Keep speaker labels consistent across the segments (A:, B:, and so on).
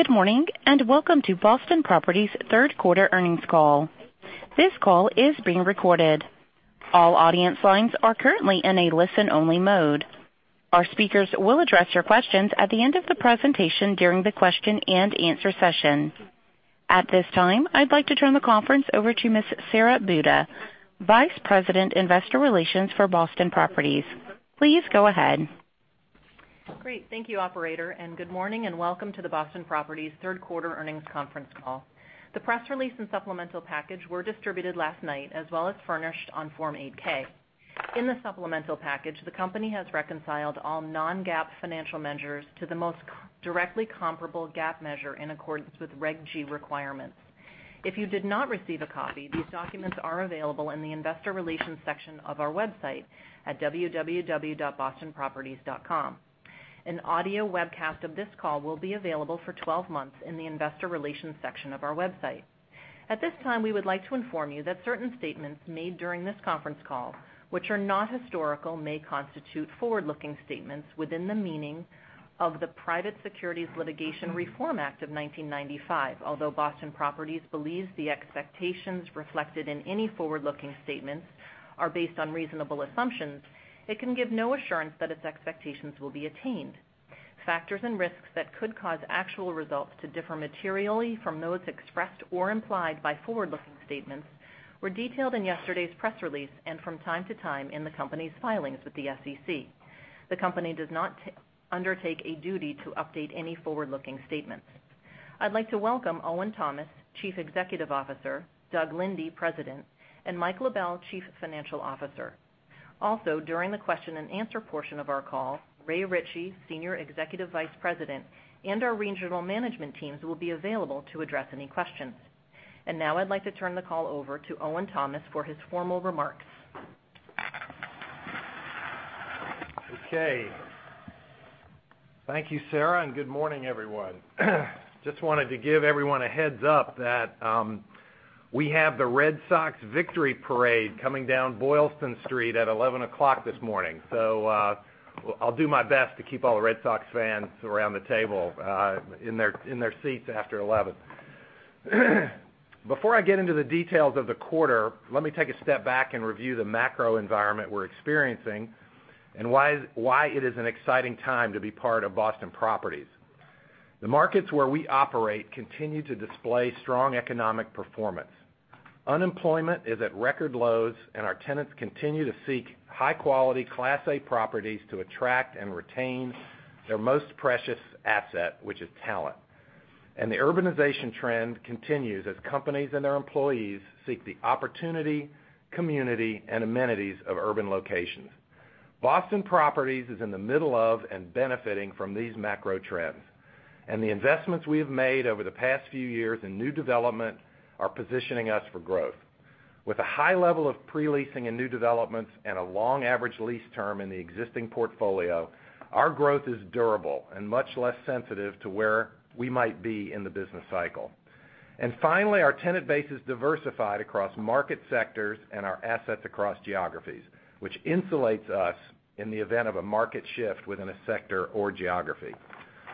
A: Good morning, and welcome to Boston Properties' third quarter earnings call. This call is being recorded. All audience lines are currently in a listen-only mode. Our speakers will address your questions at the end of the presentation during the question and answer session. At this time, I'd like to turn the conference over to Ms. Sara Buda, Vice President, Investor Relations for Boston Properties. Please go ahead.
B: Great. Thank you, operator, good morning, and welcome to the Boston Properties third quarter earnings conference call. The press release and supplemental package were distributed last night, as well as furnished on Form 8-K. In the supplemental package, the company has reconciled all non-GAAP financial measures to the most directly comparable GAAP measure in accordance with Reg G requirements. If you did not receive a copy, these documents are available in the investor relations section of our website at www.bostonproperties.com. An audio webcast of this call will be available for 12 months in the investor relations section of our website. At this time, we would like to inform you that certain statements made during this conference call, which are not historical, may constitute forward-looking statements within the meaning of the Private Securities Litigation Reform Act of 1995. Although Boston Properties believes the expectations reflected in any forward-looking statements are based on reasonable assumptions, it can give no assurance that its expectations will be attained. Factors and risks that could cause actual results to differ materially from those expressed or implied by forward-looking statements were detailed in yesterday's press release and from time to time in the company's filings with the SEC. The company does not undertake a duty to update any forward-looking statements. I'd like to welcome Owen Thomas, Chief Executive Officer, Doug Linde, President, and Mike LaBelle, Chief Financial Officer. Also, during the question and answer portion of our call, Raymond Ritchey, Senior Executive Vice President, and our regional management teams will be available to address any questions. Now I'd like to turn the call over to Owen Thomas for his formal remarks.
C: Okay. Thank you, Sara, good morning, everyone. Just wanted to give everyone a heads up that we have the Red Sox victory parade coming down Boylston Street at 11 o'clock this morning. I'll do my best to keep all the Red Sox fans around the table in their seats after 11. Before I get into the details of the quarter, let me take a step back and review the macro environment we're experiencing and why it is an exciting time to be part of Boston Properties. The markets where we operate continue to display strong economic performance. Unemployment is at record lows, our tenants continue to seek high-quality, Class A properties to attract and retain their most precious asset, which is talent. The urbanization trend continues as companies and their employees seek the opportunity, community, and amenities of urban locations. Boston Properties is in the middle of and benefiting from these macro trends. The investments we have made over the past few years in new development are positioning us for growth. With a high level of pre-leasing in new developments and a long average lease term in the existing portfolio, our growth is durable and much less sensitive to where we might be in the business cycle. Finally, our tenant base is diversified across market sectors and our assets across geographies, which insulates us in the event of a market shift within a sector or geography.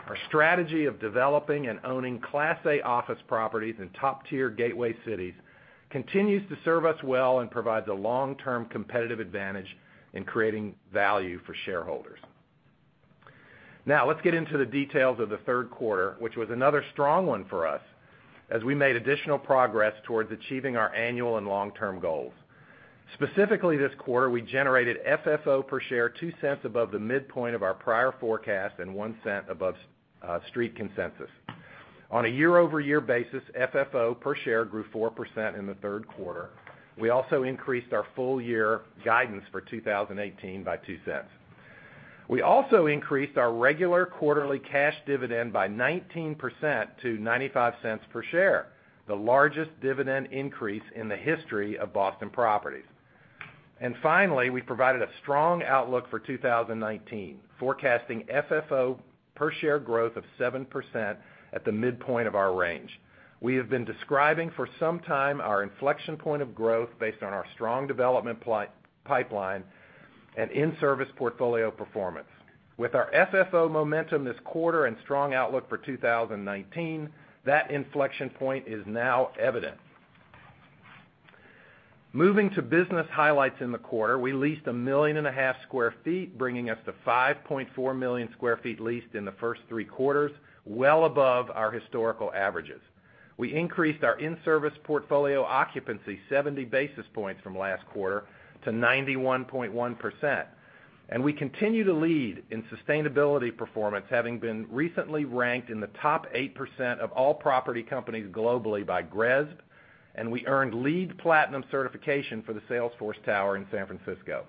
C: Our strategy of developing and owning Class A office properties in top-tier gateway cities continues to serve us well and provides a long-term competitive advantage in creating value for shareholders. Now, let's get into the details of the third quarter, which was another strong one for us as we made additional progress towards achieving our annual and long-term goals. Specifically, this quarter, we generated FFO per share $0.02 above the midpoint of our prior forecast and $0.01 above street consensus. On a year-over-year basis, FFO per share grew 4% in the third quarter. We also increased our full-year guidance for 2018 by $0.02. We also increased our regular quarterly cash dividend by 19% to $0.95 per share, the largest dividend increase in the history of Boston Properties. Finally, we provided a strong outlook for 2019, forecasting FFO per share growth of 7% at the midpoint of our range. We have been describing for some time our inflection point of growth based on our strong development pipeline and in-service portfolio performance. With our FFO momentum this quarter and strong outlook for 2019, that inflection point is now evident. Moving to business highlights in the quarter, we leased 1.5 million sq ft, bringing us to 5.4 million sq ft leased in the first three quarters, well above our historical averages. We increased our in-service portfolio occupancy 70 basis points from last quarter to 91.1%. We continue to lead in sustainability performance, having been recently ranked in the top 8% of all property companies globally by GRESB, and we earned LEED Platinum certification for the Salesforce Tower in San Francisco.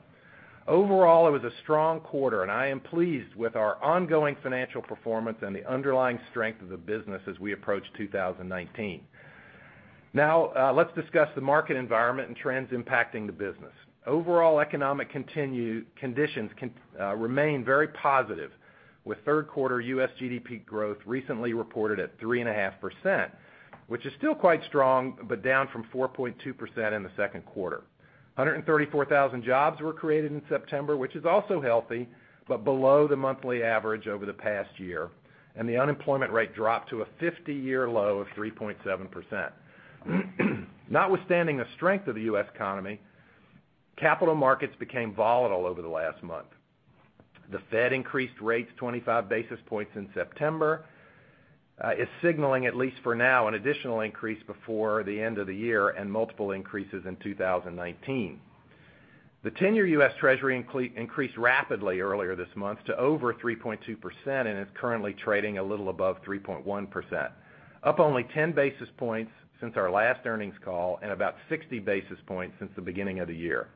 C: Overall, it was a strong quarter, and I am pleased with our ongoing financial performance and the underlying strength of the business as we approach 2019. Now, let's discuss the market environment and trends impacting the business. Overall economic conditions remain very positive, with third quarter US GDP growth recently reported at 3.5%. Which is still quite strong, but down from 4.2% in the second quarter. 134,000 jobs were created in September, which is also healthy, but below the monthly average over the past year. The unemployment rate dropped to a 50-year low of 3.7%. Notwithstanding the strength of the U.S. economy, capital markets became volatile over the last month. The Fed increased rates 25 basis points in September, is signaling, at least for now, an additional increase before the end of the year, and multiple increases in 2019. The ten-year U.S. Treasury increased rapidly earlier this month to over 3.2% and is currently trading a little above 3.1%, up only 10 basis points since our last earnings call and about 60 basis points since the beginning of the year.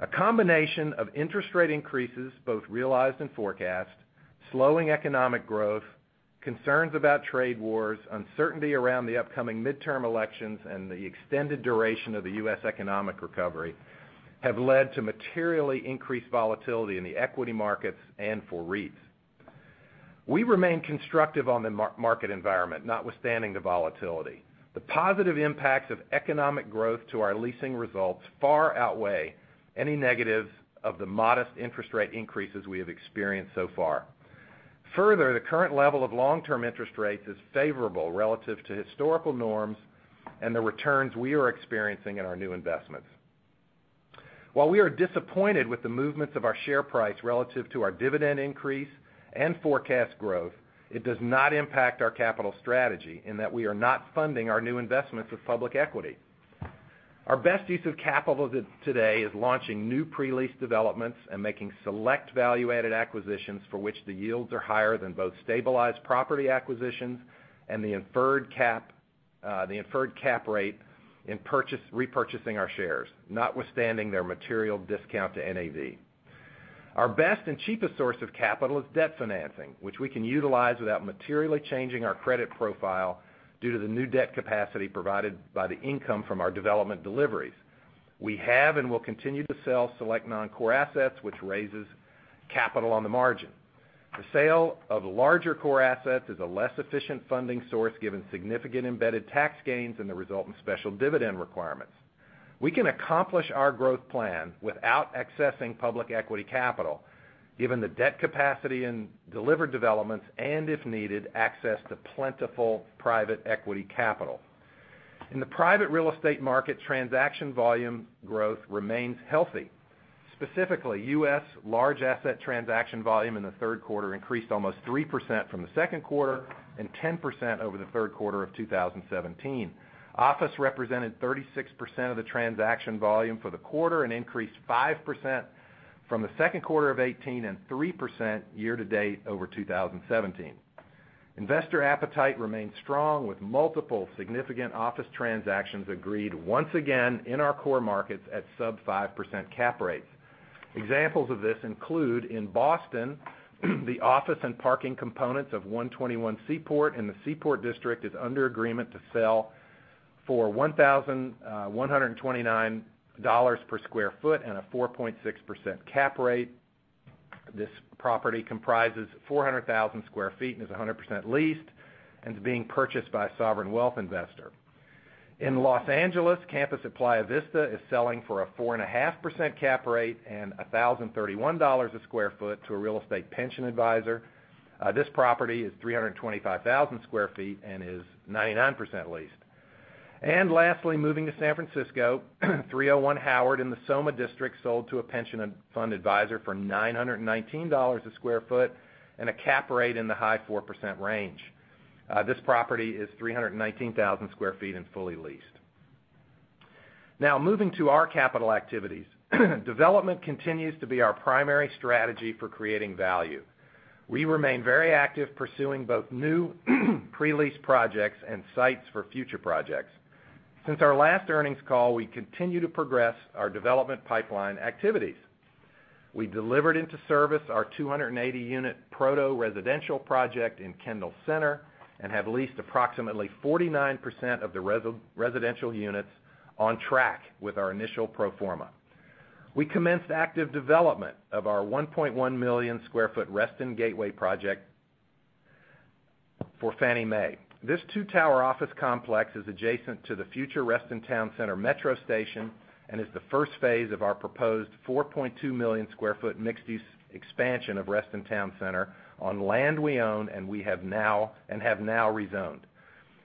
C: A combination of interest rate increases, both realized and forecast, slowing economic growth, concerns about trade wars, uncertainty around the upcoming midterm elections, and the extended duration of the U.S. economic recovery have led to materially increased volatility in the equity markets and for REITs. We remain constructive on the market environment, notwithstanding the volatility. The positive impacts of economic growth to our leasing results far outweigh any negatives of the modest interest rate increases we have experienced so far. Further, the current level of long-term interest rates is favorable relative to historical norms and the returns we are experiencing in our new investments. While we are disappointed with the movements of our share price relative to our dividend increase and forecast growth, it does not impact our capital strategy in that we are not funding our new investments with public equity. Our best use of capital today is launching new pre-lease developments and making select value-added acquisitions for which the yields are higher than both stabilized property acquisitions and the inferred cap rate in repurchasing our shares, notwithstanding their material discount to NAV. Our best and cheapest source of capital is debt financing, which we can utilize without materially changing our credit profile due to the new debt capacity provided by the income from our development deliveries. We have and will continue to sell select non-core assets, which raises capital on the margin. The sale of larger core assets is a less efficient funding source given significant embedded tax gains and the resultant special dividend requirements. We can accomplish our growth plan without accessing public equity capital given the debt capacity in delivered developments and, if needed, access to plentiful private equity capital. In the private real estate market, transaction volume growth remains healthy. Specifically, U.S. large asset transaction volume in the third quarter increased almost 3% from the second quarter and 10% over the third quarter of 2017. Office represented 36% of the transaction volume for the quarter and increased 5% from the second quarter of 2018 and 3% year-to-date over 2017. Investor appetite remains strong with multiple significant office transactions agreed once again in our core markets at sub 5% cap rates. Examples of this include in Boston, the office and parking components of 121 Seaport in the Seaport District is under agreement to sell for $1,129 per sq ft and a 4.6% cap rate. This property comprises 400,000 sq ft and is 100% leased and is being purchased by a sovereign wealth investor. In Los Angeles, Campus at Playa Vista is selling for a 4.5% cap rate and $1,031 a sq ft to a real estate pension advisor. This property is 325,000 sq ft and is 99% leased. Lastly, moving to San Francisco, 301 Howard in the SoMa district sold to a pension fund advisor for $919 a sq ft and a cap rate in the high 4% range. This property is 319,000 sq ft and fully leased. Now moving to our capital activities. Development continues to be our primary strategy for creating value. We remain very active pursuing both new pre-lease projects and sites for future projects. Since our last earnings call, we continue to progress our development pipeline activities. We delivered into service our 280-unit Proto residential project in Kendall Square and have leased approximately 49% of the residential units on track with our initial pro forma. We commenced active development of our 1.1 million sq ft Reston Gateway project for Fannie Mae. This two-tower office complex is adjacent to the future Reston Town Center Metro station and is the first phase of our proposed 4.2 million sq ft mixed-use expansion of Reston Town Center on land we own and have now rezoned.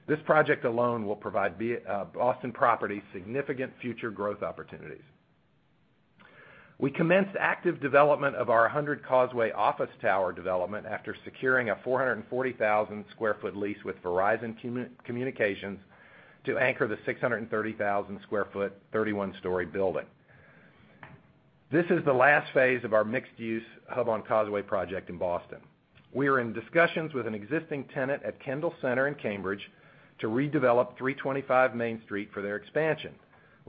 C: This project alone will provide Boston Properties significant future growth opportunities. We commenced active development of our 100 Causeway office tower development after securing a 440,000 sq ft lease with Verizon Communications to anchor the 630,000 sq ft, 31-story building. This is the last phase of our mixed-use Hub on Causeway project in Boston. We are in discussions with an existing tenant at Kendall Center in Cambridge to redevelop 325 Main Street for their expansion.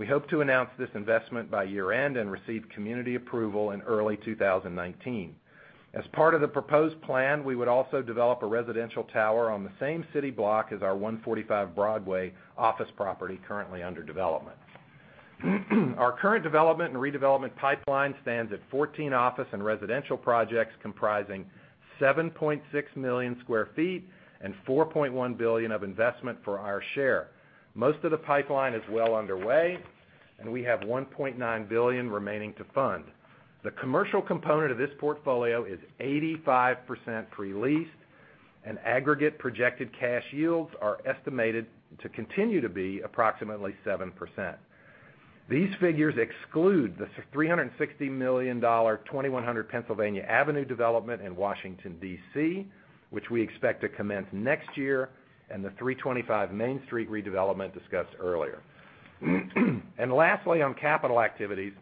C: We hope to announce this investment by year-end and receive community approval in early 2019. As part of the proposed plan, we would also develop a residential tower on the same city block as our 145 Broadway office property currently under development. Our current development and redevelopment pipeline stands at 14 office and residential projects comprising 7.6 million sq ft and $4.1 billion of investment for our share. Most of the pipeline is well underway, and we have $1.9 billion remaining to fund. The commercial component of this portfolio is 85% pre-leased, and aggregate projected cash yields are estimated to continue to be approximately 7%. These figures exclude the $360 million, 2100 Pennsylvania Avenue development in Washington, D.C., which we expect to commence next year, and the 325 Main Street redevelopment discussed earlier. Lastly, on capital activities,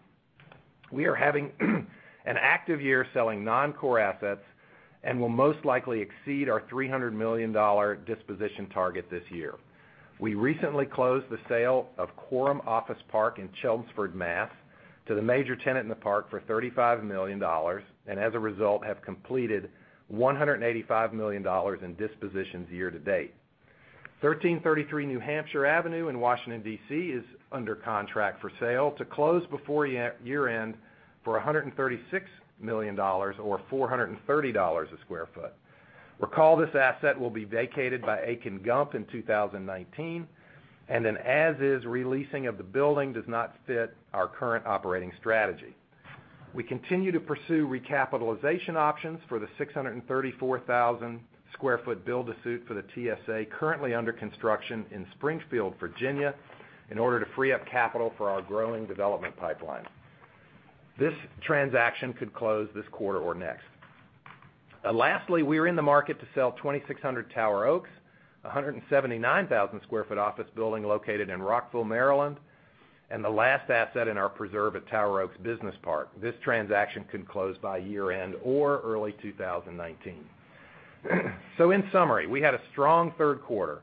C: we are having an active year selling non-core assets and will most likely exceed our $300 million disposition target this year. We recently closed the sale of Quorum Office Park in Chelmsford, Mass to the major tenant in the park for $35 million, and as a result, have completed $185 million in dispositions year to date. 1333 New Hampshire Avenue in Washington, D.C. is under contract for sale to close before year-end for $136 million or $430 a sq ft. Recall, this asset will be vacated by Akin Gump in 2019, and an as-is releasing of the building does not fit our current operating strategy. We continue to pursue recapitalization options for the 634,000 sq ft build to suit for the TSA currently under construction in Springfield, Virginia, in order to free up capital for our growing development pipeline. This transaction could close this quarter or next. Lastly, we are in the market to sell 2600 Tower Oaks, 179,000 sq ft office building located in Rockville, Maryland, and the last asset in our preserve at Tower Oaks Business Park. This transaction can close by year-end or early 2019. In summary, we had a strong third quarter,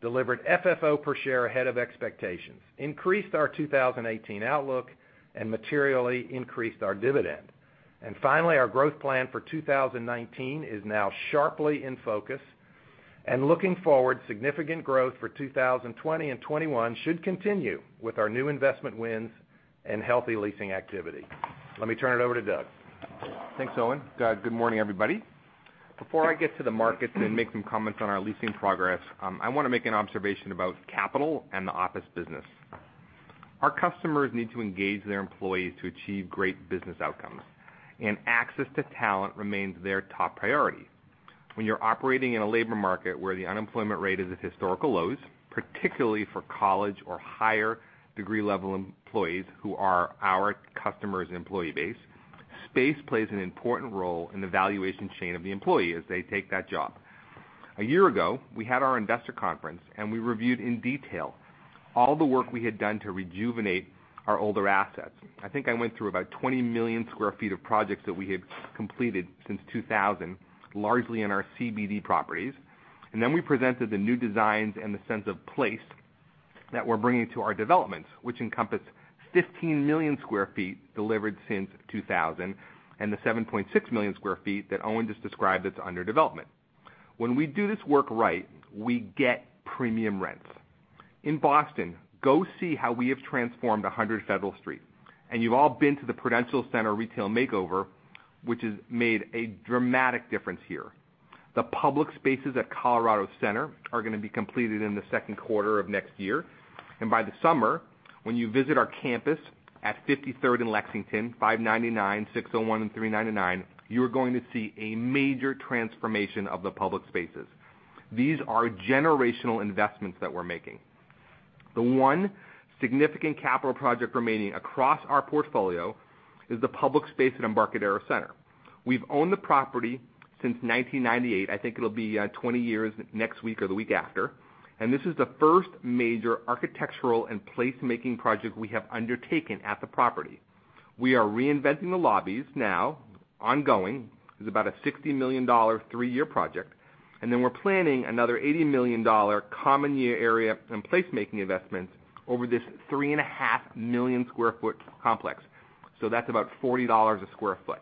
C: delivered FFO per share ahead of expectations, increased our 2018 outlook, and materially increased our dividend. Finally, our growth plan for 2019 is now sharply in focus. Looking forward, significant growth for 2020 and 2021 should continue with our new investment wins and healthy leasing activity. Let me turn it over to Doug.
D: Thanks, Owen. Good morning, everybody. Before I get to the markets and make some comments on our leasing progress, I want to make an observation about capital and the office business. Our customers need to engage their employees to achieve great business outcomes, access to talent remains their top priority. When you're operating in a labor market where the unemployment rate is at historical lows, particularly for college or higher degree level employees who are our customers' employee base, space plays an important role in the valuation chain of the employee as they take that job. A year ago, we had our investor conference, we reviewed in detail all the work we had done to rejuvenate our older assets. I think I went through about 20 million square feet of projects that we had completed since 2000, largely in our CBD properties. Then we presented the new designs and the sense of place that we're bringing to our developments, which encompass 15 million square feet delivered since 2000, and the 7.6 million square feet that Owen just described that's under development. When we do this work right, we get premium rents. In Boston, go see how we have transformed 100 Federal Street. You've all been to the Prudential Center retail makeover, which has made a dramatic difference here. The public spaces at Colorado Center are going to be completed in the second quarter of next year. By the summer, when you visit our campus at 53rd and Lexington, 599, 601, and 399, you are going to see a major transformation of the public spaces. These are generational investments that we're making. The one significant capital project remaining across our portfolio is the public space at Embarcadero Center. We've owned the property since 1998. I think it'll be 20 years next week or the week after. This is the first major architectural and place-making project we have undertaken at the property. We are reinventing the lobbies now, ongoing. It's about a $60 million three-year project. Then we're planning another $80 million common year area and place-making investments over this three and a half million square foot complex. That's about $40 a square foot.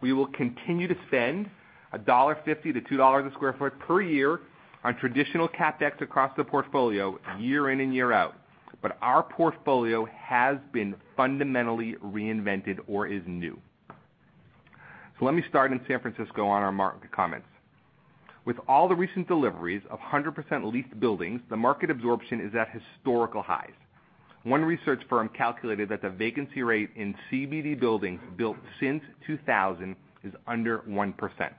D: We will continue to spend $1.50 to $2 a square foot per year on traditional CapEx across the portfolio year in and year out. Our portfolio has been fundamentally reinvented or is new. Let me start in San Francisco on our market comments. With all the recent deliveries of 100% leased buildings, the market absorption is at historical highs. One research firm calculated that the vacancy rate in CBD buildings built since 2000 is under 1%.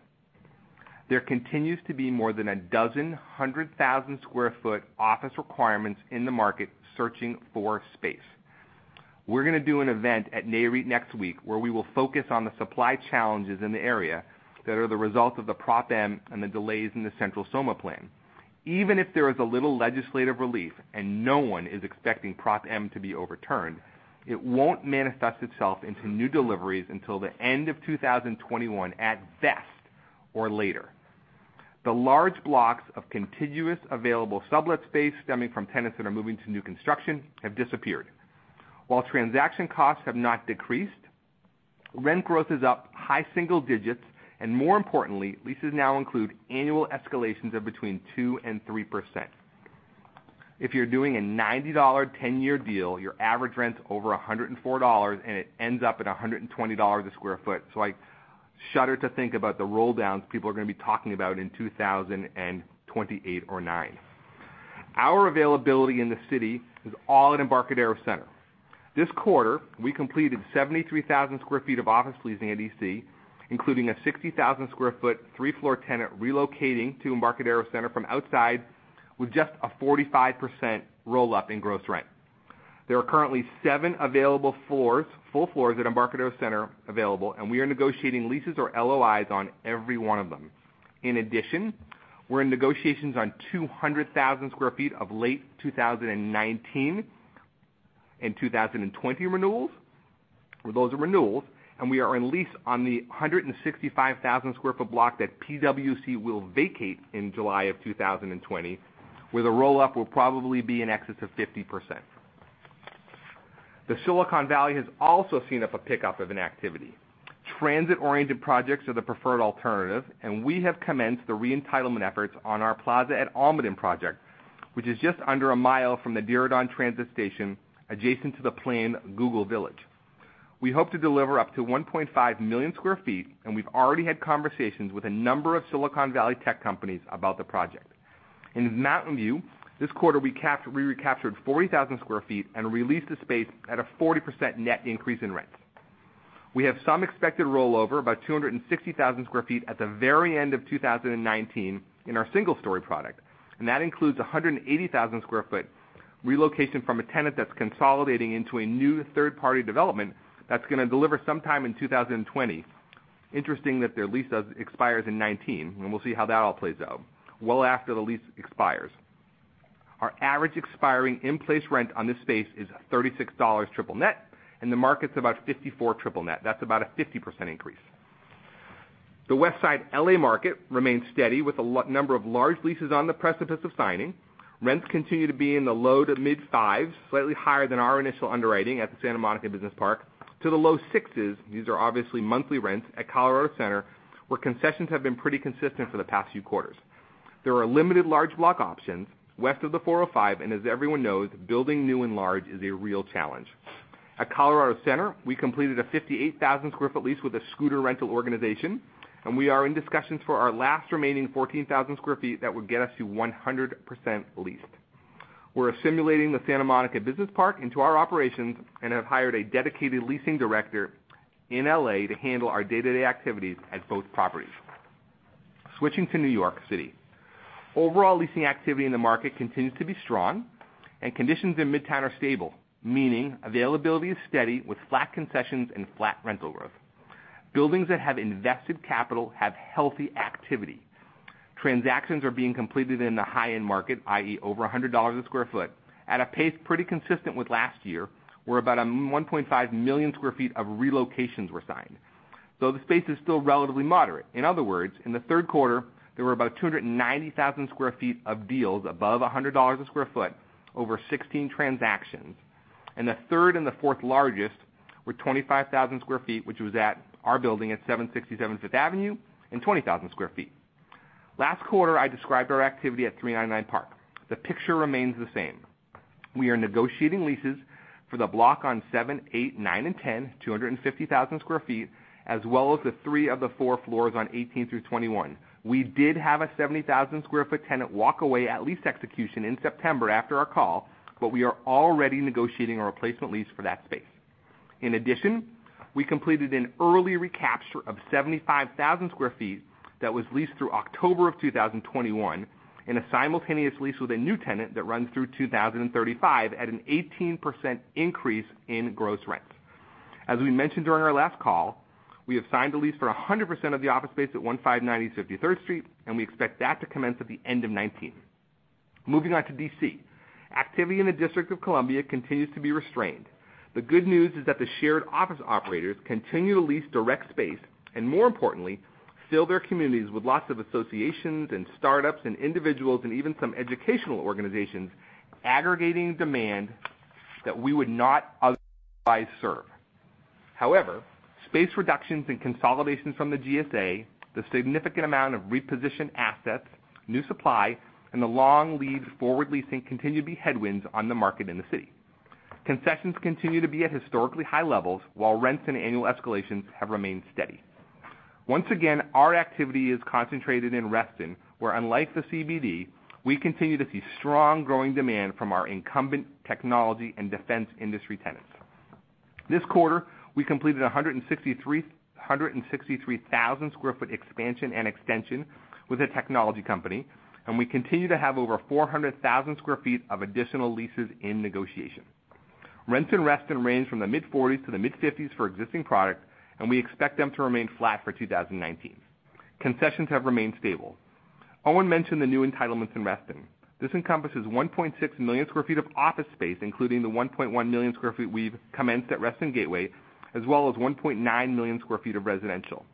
D: There continues to be more than a dozen 100,000 square foot office requirements in the market searching for space. We're going to do an event at Nareit next week where we will focus on the supply challenges in the area that are the result of the Prop M and the delays in the Central SoMa plan. Even if there is a little legislative relief, no one is expecting Prop M to be overturned, it won't manifest itself into new deliveries until the end of 2021 at best or later. The large blocks of contiguous available sublet space stemming from tenants that are moving to new construction have disappeared. While transaction costs have not decreased, rent growth is up high single digits, and more importantly, leases now include annual escalations of between 2% and 3%. If you're doing a $90, 10-year deal, your average rent's over $104, and it ends up at $120 a sq ft. I shudder to think about the roll downs people are going to be talking about in 2028 or 2029. Our availability in the city is all at Embarcadero Center. This quarter, we completed 73,000 sq ft of office leasing at EC, including a 60,000 sq ft, three-floor tenant relocating to Embarcadero Center from outside, with just a 45% roll-up in gross rent. There are currently 7 available full floors at Embarcadero Center available, and we are negotiating leases or LOIs on every one of them. In addition, we're in negotiations on 200,000 sq ft of late 2019 and 2020 renewals, those are renewals, and we are in lease on the 165,000 sq ft block that PwC will vacate in July of 2020, where the roll-up will probably be in excess of 50%. Silicon Valley has also seen a pickup of an activity. Transit-oriented projects are the preferred alternative, and we have commenced the re-entitlement efforts on our Plaza at Almaden project, which is just under a mile from the Diridon Transit Station adjacent to the planned Google Village. We hope to deliver up to 1.5 million sq ft, and we've already had conversations with a number of Silicon Valley tech companies about the project. In Mountain View, this quarter, we recaptured 40,000 sq ft and re-leased the space at a 40% net increase in rents. We have some expected rollover, about 260,000 sq ft at the very end of 2019 in our single-story product, and that includes 180,000 sq ft relocation from a tenant that's consolidating into a new third-party development that's going to deliver sometime in 2020. Interesting that their lease expires in 2019, and we'll see how that all plays out, well after the lease expires. Our average expiring in-place rent on this space is $36 triple net, and the market's about $54 triple net. That's about a 50% increase. The Westside L.A. market remains steady with a number of large leases on the precipice of signing. Rents continue to be in the low to mid $5s, slightly higher than our initial underwriting at the Santa Monica Business Park to the low $6s, these are obviously monthly rents, at Colorado Center, where concessions have been pretty consistent for the past few quarters. There are limited large block options west of the 405, as everyone knows, building new and large is a real challenge. At Colorado Center, we completed a 58,000 sq ft lease with a scooter rental organization, and we are in discussions for our last remaining 14,000 sq ft that would get us to 100% leased. We're assimilating the Santa Monica Business Park into our operations and have hired a dedicated leasing director in L.A. to handle our day-to-day activities at both properties. Switching to New York City. Overall leasing activity in the market continues to be strong, and conditions in Midtown are stable, meaning availability is steady with flat concessions and flat rental growth. Buildings that have invested capital have healthy activity. Transactions are being completed in the high-end market, i.e., over $100 a square foot, at a pace pretty consistent with last year, where about 1.5 million square feet of relocations were signed. The space is still relatively moderate. In other words, in the third quarter, there were about 290,000 square feet of deals above $100 a square foot over 16 transactions, and the third and the fourth largest were 25,000 square feet, which was at our building at 760 Seventh Avenue, and 20,000 square feet. Last quarter, I described our activity at 399 Park. The picture remains the same. We are negotiating leases for the block on seven, eight, 10, and 10, 250,000 square feet, as well as the three of the four floors on 18 through 21. We did have a 70,000-square-foot tenant walk away at lease execution in September after our call. We are already negotiating a replacement lease for that space. In addition, we completed an early recapture of 75,000 square feet that was leased through October of 2021, and a simultaneous lease with a new tenant that runs through 2035 at an 18% increase in gross rent. As we mentioned during our last call, we have signed a lease for 100% of the office space at 1590 53rd Street, and we expect that to commence at the end of 2019. Moving on to D.C. Activity in the District of Columbia continues to be restrained. The good news is that the shared office operators continue to lease direct space, and more importantly, fill their communities with lots of associations and startups and individuals and even some educational organizations aggregating demand that we would not otherwise serve. However, space reductions and consolidations from the GSA, the significant amount of repositioned assets, new supply, and the long lead forward leasing continue to be headwinds on the market in the city. Concessions continue to be at historically high levels while rents and annual escalations have remained steady. Once again, our activity is concentrated in Reston, where unlike the CBD, we continue to see strong, growing demand from our incumbent technology and defense industry tenants. This quarter, we completed 163,000-square-foot expansion and extension with a technology company, and we continue to have over 400,000 square feet of additional leases in negotiation. Rents in Reston range from the mid-40s to the mid-50s for existing product, and we expect them to remain flat for 2019. Concessions have remained stable. Owen mentioned the new entitlements in Reston. This encompasses 1.6 million square feet of office space, including the 1.1 million square feet we've commenced at Reston Gateway, as well as 1.9 million square feet of residential.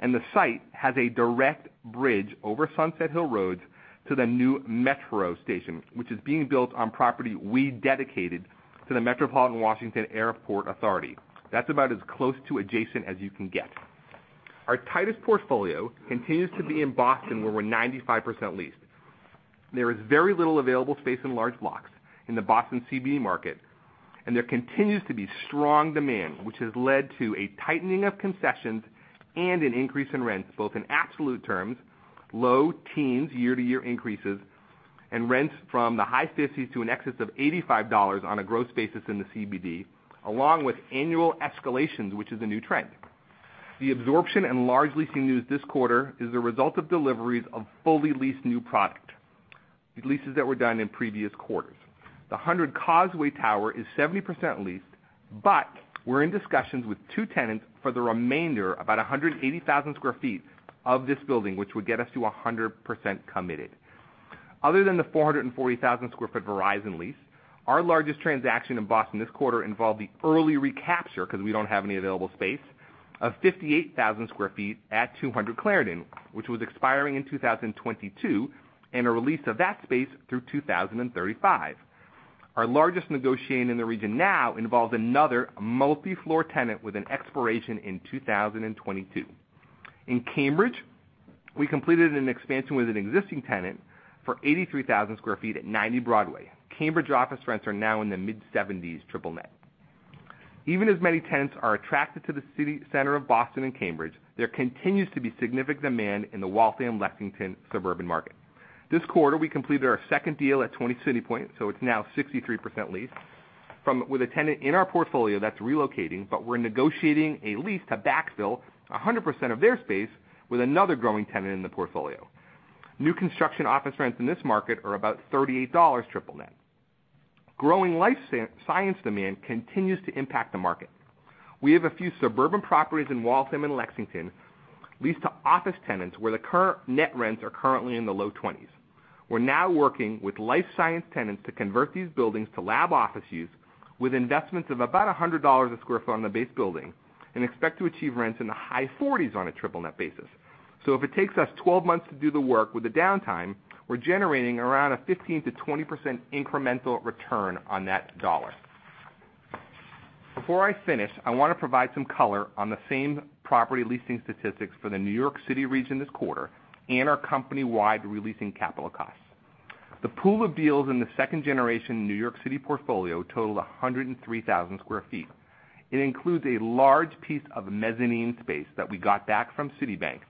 D: And the site has a direct bridge over Sunset Hills Road to the new Metro station, which is being built on property we dedicated to the Metropolitan Washington Airports Authority. That's about as close to adjacent as you can get. Our tightest portfolio continues to be in Boston, where we're 95% leased. There is very little available space in large blocks in the Boston CBD market, there continues to be strong demand, which has led to a tightening of concessions and an increase in rents, both in absolute terms, low teens year-over-year increases, and rents from the high 50s to in excess of $85 on a gross basis in the CBD, along with annual escalations, which is a new trend. The absorption and large leasing news this quarter is the result of deliveries of fully leased new product, with leases that were done in previous quarters. The 100 Causeway Tower is 70% leased, but we're in discussions with two tenants for the remainder, about 180,000 sq ft of this building, which would get us to 100% committed. Other than the 440,000 sq ft Verizon lease, our largest transaction in Boston this quarter involved the early recapture, because we don't have any available space, of 58,000 sq ft at 200 Clarendon, which was expiring in 2022, and a re-lease of that space through 2035. Our largest negotiation in the region now involves another multi-floor tenant with an expiration in 2022. In Cambridge, we completed an expansion with an existing tenant for 83,000 sq ft at 90 Broadway. Cambridge office rents are now in the mid-70s triple net. Even as many tenants are attracted to the center of Boston and Cambridge, there continues to be significant demand in the Waltham-Lexington suburban market. This quarter, we completed our second deal at 20 CityPoint, so it's now 63% leased, with a tenant in our portfolio that's relocating, but we're negotiating a lease to backfill 100% of their space with another growing tenant in the portfolio. New construction office rents in this market are about $38 triple net. Growing life science demand continues to impact the market. We have a few suburban properties in Waltham and Lexington leased to office tenants, where the current net rents are currently in the low 20s. We're now working with life science tenants to convert these buildings to lab office use with investments of about $100 a sq ft on the base building and expect to achieve rents in the high 40s on a triple net basis. If it takes us 12 months to do the work with the downtime, we're generating around a 15%-20% incremental return on that dollar. Before I finish, I want to provide some color on the same property leasing statistics for the New York City region this quarter and our company-wide re-leasing capital costs. The pool of deals in the second-generation New York City portfolio totaled 103,000 sq ft. It includes a large piece of mezzanine space that we got back from Citibank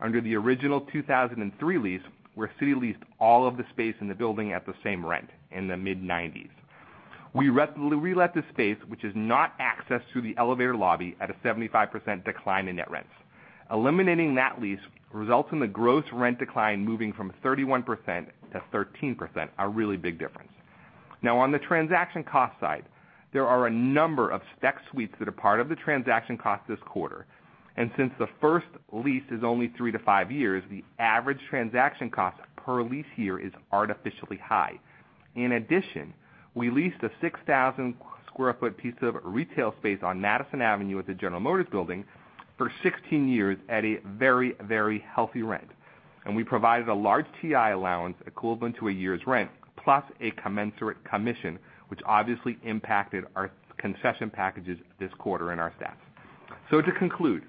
D: under the original 2003 lease, where Citi leased all of the space in the building at the same rent in the mid-90s. We re-let the space, which is not accessed through the elevator lobby, at a 75% decline in net rents. Eliminating that lease results in the gross rent decline moving from 31%-13%, a really big difference. On the transaction cost side, there are a number of spec suites that are part of the transaction cost this quarter. Since the first lease is only three to five years, the average transaction cost per lease year is artificially high. In addition, we leased a 6,000 sq ft piece of retail space on Madison Avenue at the GM Building for 16 years at a very healthy rent. We provided a large TI allowance equivalent to a year's rent, plus a commensurate commission, which obviously impacted our concession packages this quarter in our stats. To conclude,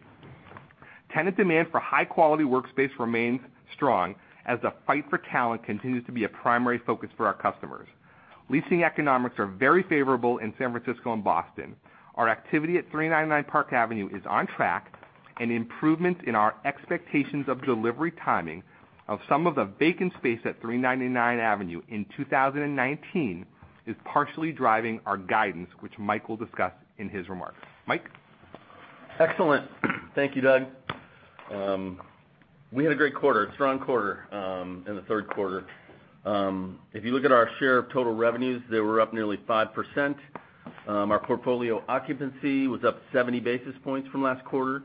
D: tenant demand for high-quality workspace remains strong as the fight for talent continues to be a primary focus for our customers. Leasing economics are very favorable in San Francisco and Boston. Our activity at 399 Park Avenue is on track, improvements in our expectations of delivery timing of some of the vacant space at 399 Park Avenue in 2019 is partially driving our guidance, which Mike will discuss in his remarks. Mike?
E: Excellent. Thank you, Doug. We had a great quarter, a strong quarter in the third quarter. If you look at our share of total revenues, they were up nearly 5%. Our portfolio occupancy was up 70 basis points from last quarter,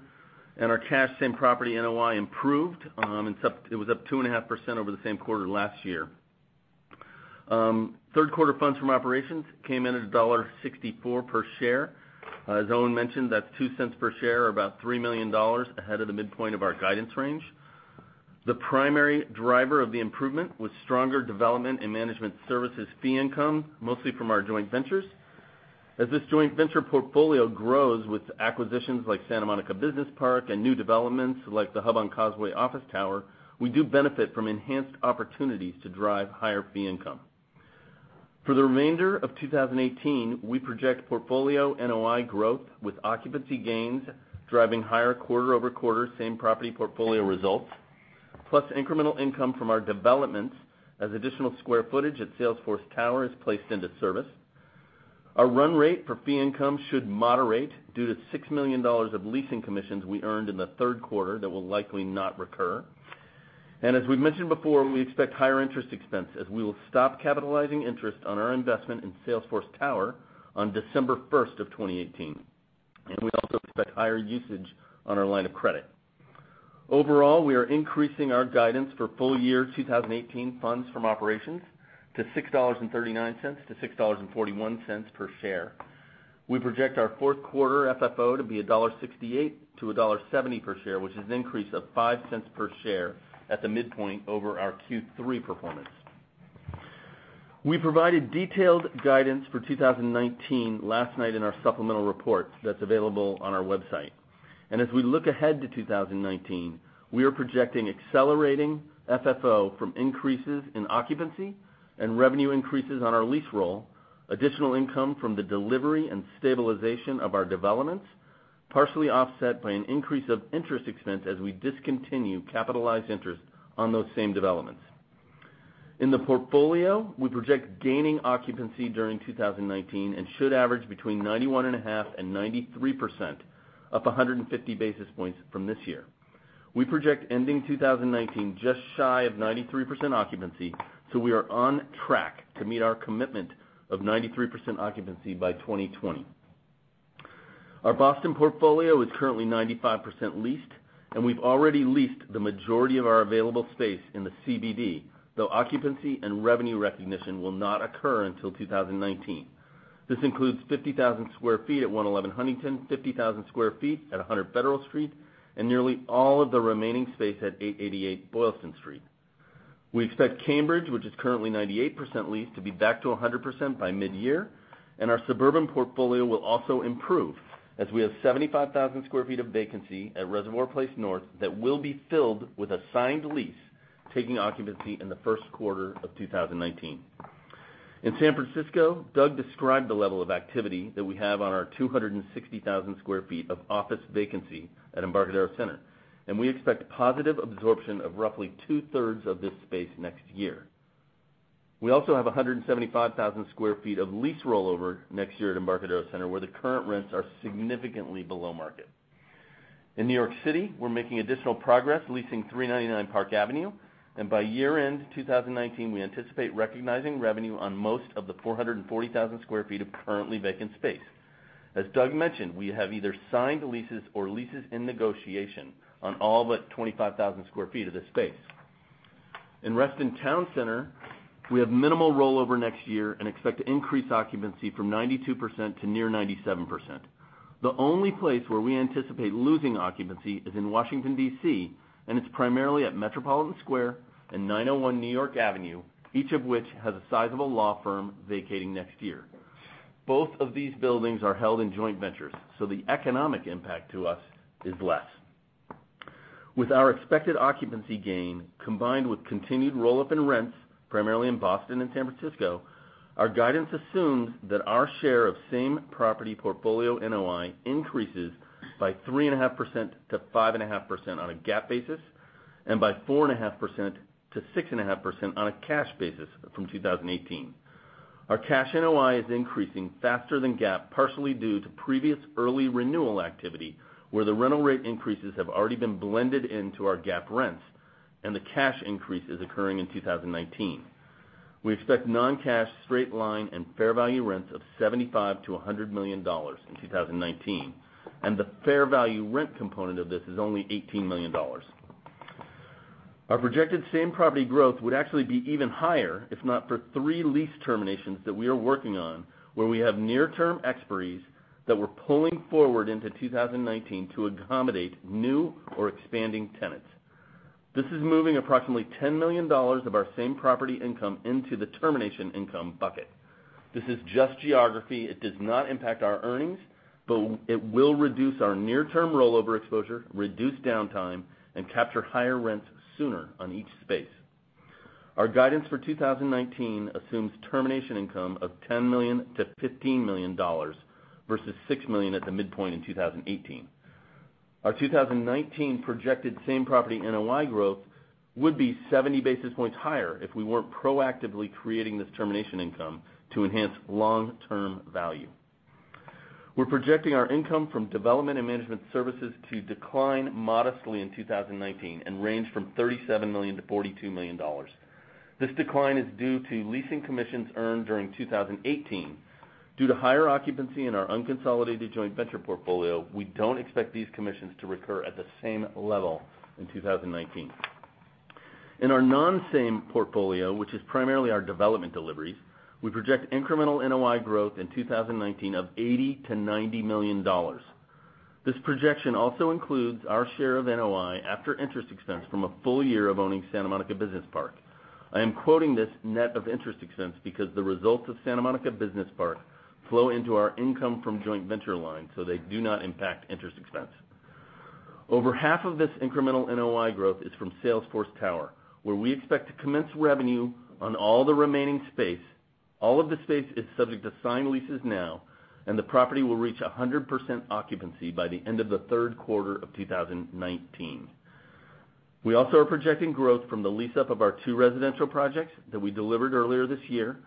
E: our cash same-property NOI improved. It was up 2.5% over the same quarter last year. Third quarter funds from operations came in at $1.64 per share. As Owen mentioned, that's $0.02 per share or about $3 million ahead of the midpoint of our guidance range. The primary driver of the improvement was stronger development in management services fee income, mostly from our joint ventures. As this joint venture portfolio grows with acquisitions like Santa Monica Business Park and new developments like The Hub on Causeway office tower, we do benefit from enhanced opportunities to drive higher fee income. For the remainder of 2018, we project portfolio NOI growth with occupancy gains driving higher quarter-over-quarter same-property portfolio results, plus incremental income from our developments as additional square footage at Salesforce Tower is placed into service. Our run rate for fee income should moderate due to $6 million of leasing commissions we earned in the third quarter that will likely not recur. As we've mentioned before, we expect higher interest expense as we will stop capitalizing interest on our investment in Salesforce Tower on December 1st of 2018. We also expect higher usage on our line of credit. Overall, we are increasing our guidance for full year 2018 funds from operations to $6.39-$6.41 per share. We project our fourth quarter FFO to be $1.68-$1.70 per share, which is an increase of $0.05 per share at the midpoint over our Q3 performance. We provided detailed guidance for 2019 last night in our supplemental report that's available on our website. As we look ahead to 2019, we are projecting accelerating FFO from increases in occupancy and revenue increases on our lease roll, additional income from the delivery and stabilization of our developments, partially offset by an increase of interest expense as we discontinue capitalized interest on those same developments. In the portfolio, we project gaining occupancy during 2019 and should average between 91.5%-93%, up 150 basis points from this year. We project ending 2019 just shy of 93% occupancy. We are on track to meet our commitment of 93% occupancy by 2020. Our Boston portfolio is currently 95% leased. We've already leased the majority of our available space in the CBD, though occupancy and revenue recognition will not occur until 2019. This includes 50,000 sq ft at 111 Huntington, 50,000 sq ft at 100 Federal Street, and nearly all of the remaining space at 888 Boylston Street. We expect Cambridge, which is currently 98% leased, to be back to 100% by mid-year. Our suburban portfolio will also improve as we have 75,000 sq ft of vacancy at Reservoir Place North that will be filled with a signed lease, taking occupancy in the first quarter of 2019. In San Francisco, Doug described the level of activity that we have on our 260,000 sq ft of office vacancy at Embarcadero Center, and we expect positive absorption of roughly two-thirds of this space next year. We also have 175,000 sq ft of lease rollover next year at Embarcadero Center, where the current rents are significantly below market. In New York City, we're making additional progress leasing 399 Park Avenue. By year-end 2019, we anticipate recognizing revenue on most of the 440,000 sq ft of currently vacant space. As Doug mentioned, we have either signed leases or leases in negotiation on all but 25,000 sq ft of this space. In Reston Town Center, we have minimal rollover next year and expect to increase occupancy from 92% to near 97%. The only place where we anticipate losing occupancy is in Washington, D.C. It's primarily at Metropolitan Square and 901 New York Avenue, each of which has a sizable law firm vacating next year. Both of these buildings are held in joint ventures. The economic impact to us is less. With our expected occupancy gain, combined with continued roll-up in rents, primarily in Boston and San Francisco, our guidance assumes that our share of same property portfolio NOI increases by 3.5%-5.5% on a GAAP basis and by 4.5%-6.5% on a cash basis from 2018. Our cash NOI is increasing faster than GAAP, partially due to previous early renewal activity, where the rental rate increases have already been blended into our GAAP rents and the cash increase is occurring in 2019. We expect non-cash straight line and fair value rents of $75 million-$100 million in 2019. The fair value rent component of this is only $18 million. Our projected same-property growth would actually be even higher if not for three lease terminations that we are working on where we have near-term expiries that we're pulling forward into 2019 to accommodate new or expanding tenants. This is moving approximately $10 million of our same-property income into the termination income bucket. This is just geography. It does not impact our earnings, but it will reduce our near-term rollover exposure, reduce downtime, and capture higher rents sooner on each space. Our guidance for 2019 assumes termination income of $10 million to $15 million versus $6 million at the midpoint in 2018. Our 2019 projected same-property NOI growth would be 70 basis points higher if we weren't proactively creating this termination income to enhance long-term value. We're projecting our income from development and management services to decline modestly in 2019 and range from $37 million to $42 million. This decline is due to leasing commissions earned during 2018. Due to higher occupancy in our unconsolidated joint venture portfolio, we don't expect these commissions to recur at the same level in 2019. In our non-same portfolio, which is primarily our development deliveries, we project incremental NOI growth in 2019 of $80 million to $90 million. This projection also includes our share of NOI after interest expense from a full year of owning Santa Monica Business Park. I am quoting this net of interest expense because the results of Santa Monica Business Park flow into our income from joint venture lines, so they do not impact interest expense. Over half of this incremental NOI growth is from Salesforce Tower, where we expect to commence revenue on all the remaining space. All of the space is subject to signed leases now, and the property will reach 100% occupancy by the end of the third quarter of 2019. We also are projecting growth from the lease-up of our two residential projects that we delivered earlier this year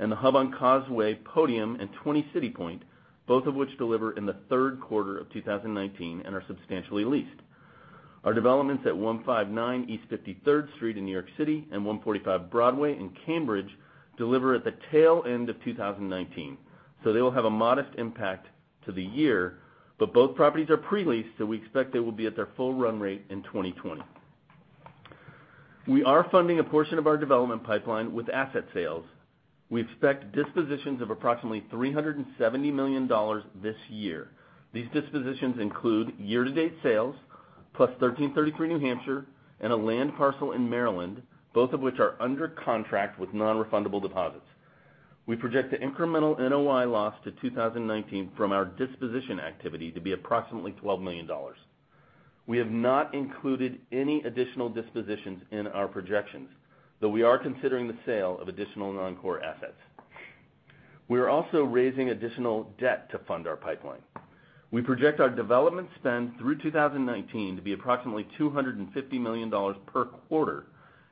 E: and The Hub on Causeway, Podium, and 20 CityPoint, both of which deliver in the third quarter of 2019 and are substantially leased. Our developments at 159 East 53rd Street in New York City and 145 Broadway in Cambridge deliver at the tail end of 2019, so they will have a modest impact to the year. Both properties are pre-leased, so we expect they will be at their full run rate in 2020. We are funding a portion of our development pipeline with asset sales. We expect dispositions of approximately $370 million this year. These dispositions include year-to-date sales, plus 1333 New Hampshire and a land parcel in Maryland, both of which are under contract with nonrefundable deposits. We project an incremental NOI loss to 2019 from our disposition activity to be approximately $12 million. We have not included any additional dispositions in our projections, though we are considering the sale of additional non-core assets. We are also raising additional debt to fund our pipeline. We project our development spend through 2019 to be approximately $250 million per quarter,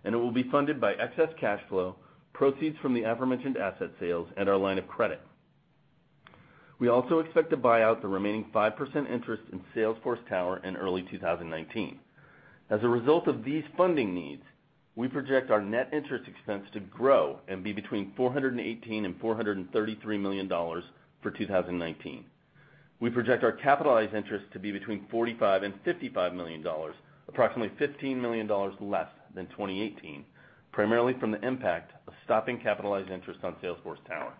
E: and it will be funded by excess cash flow, proceeds from the aforementioned asset sales, and our line of credit. We also expect to buy out the remaining 5% interest in Salesforce Tower in early 2019. As a result of these funding needs, we project our net interest expense to grow and be between $418 million and $433 million for 2019. We project our capitalized interest to be between $45 million and $55 million, approximately $15 million less than 2018, primarily from the impact of stopping capitalized interest on Salesforce Tower.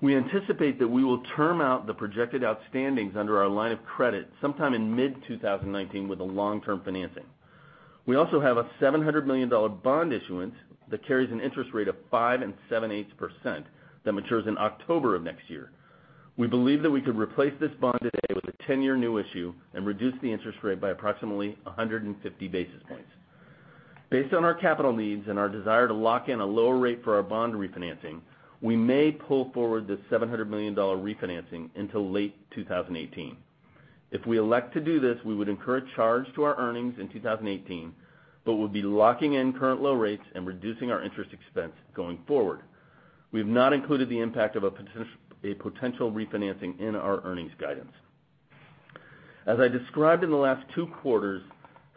E: We anticipate that we will term out the projected outstandings under our line of credit sometime in mid-2019 with the long-term financing. We also have a $700 million bond issuance that carries an interest rate of 5.78% that matures in October of next year. We believe that we could replace this bond today with a 10-year new issue and reduce the interest rate by approximately 150 basis points. Based on our capital needs and our desire to lock in a lower rate for our bond refinancing, we may pull forward this $700 million refinancing into late 2018. If we elect to do this, we would incur a charge to our earnings in 2018, but would be locking in current low rates and reducing our interest expense going forward. We've not included the impact of a potential refinancing in our earnings guidance. As I described in the last two quarters,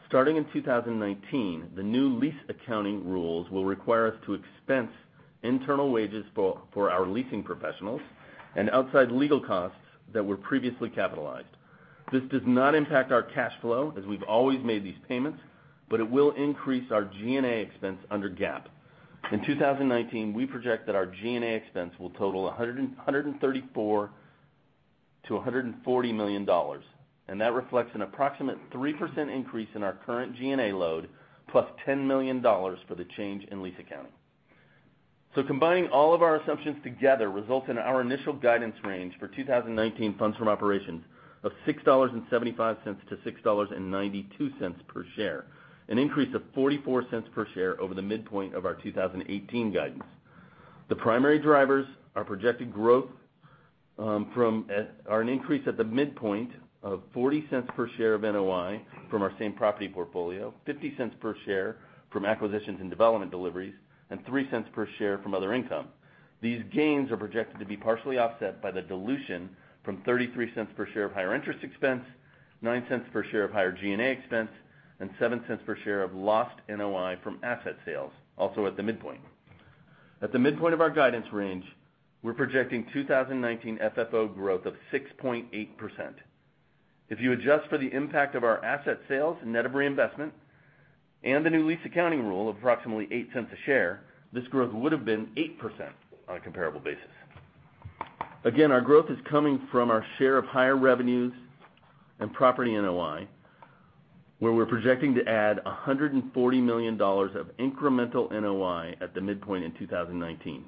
E: starting in 2019, the new lease accounting rules will require us to expense internal wages for our leasing professionals and outside legal costs that were previously capitalized. This does not impact our cash flow, as we've always made these payments, but it will increase our G&A expense under GAAP. In 2019, we project that our G&A expense will total $134 million to $140 million, and that reflects an approximate 3% increase in our current G&A load, plus $10 million for the change in lease accounting. Combining all of our assumptions together results in our initial guidance range for 2019 funds from operations of $6.75 to $6.92 per share, an increase of $0.44 per share over the midpoint of our 2018 guidance. The primary drivers are projected growth from an increase at the midpoint of $0.40 per share of NOI from our same property portfolio, $0.50 per share from acquisitions and development deliveries, and $0.03 per share from other income. These gains are projected to be partially offset by the dilution from $0.33 per share of higher interest expense, $0.09 per share of higher G&A expense, and $0.07 per share of lost NOI from asset sales, also at the midpoint. At the midpoint of our guidance range, we're projecting 2019 FFO growth of 6.8%. If you adjust for the impact of our asset sales net of reinvestment and the new lease accounting rule of approximately $0.08 a share, this growth would've been 8% on a comparable basis. Our growth is coming from our share of higher revenues and property NOI, where we're projecting to add $140 million of incremental NOI at the midpoint in 2019.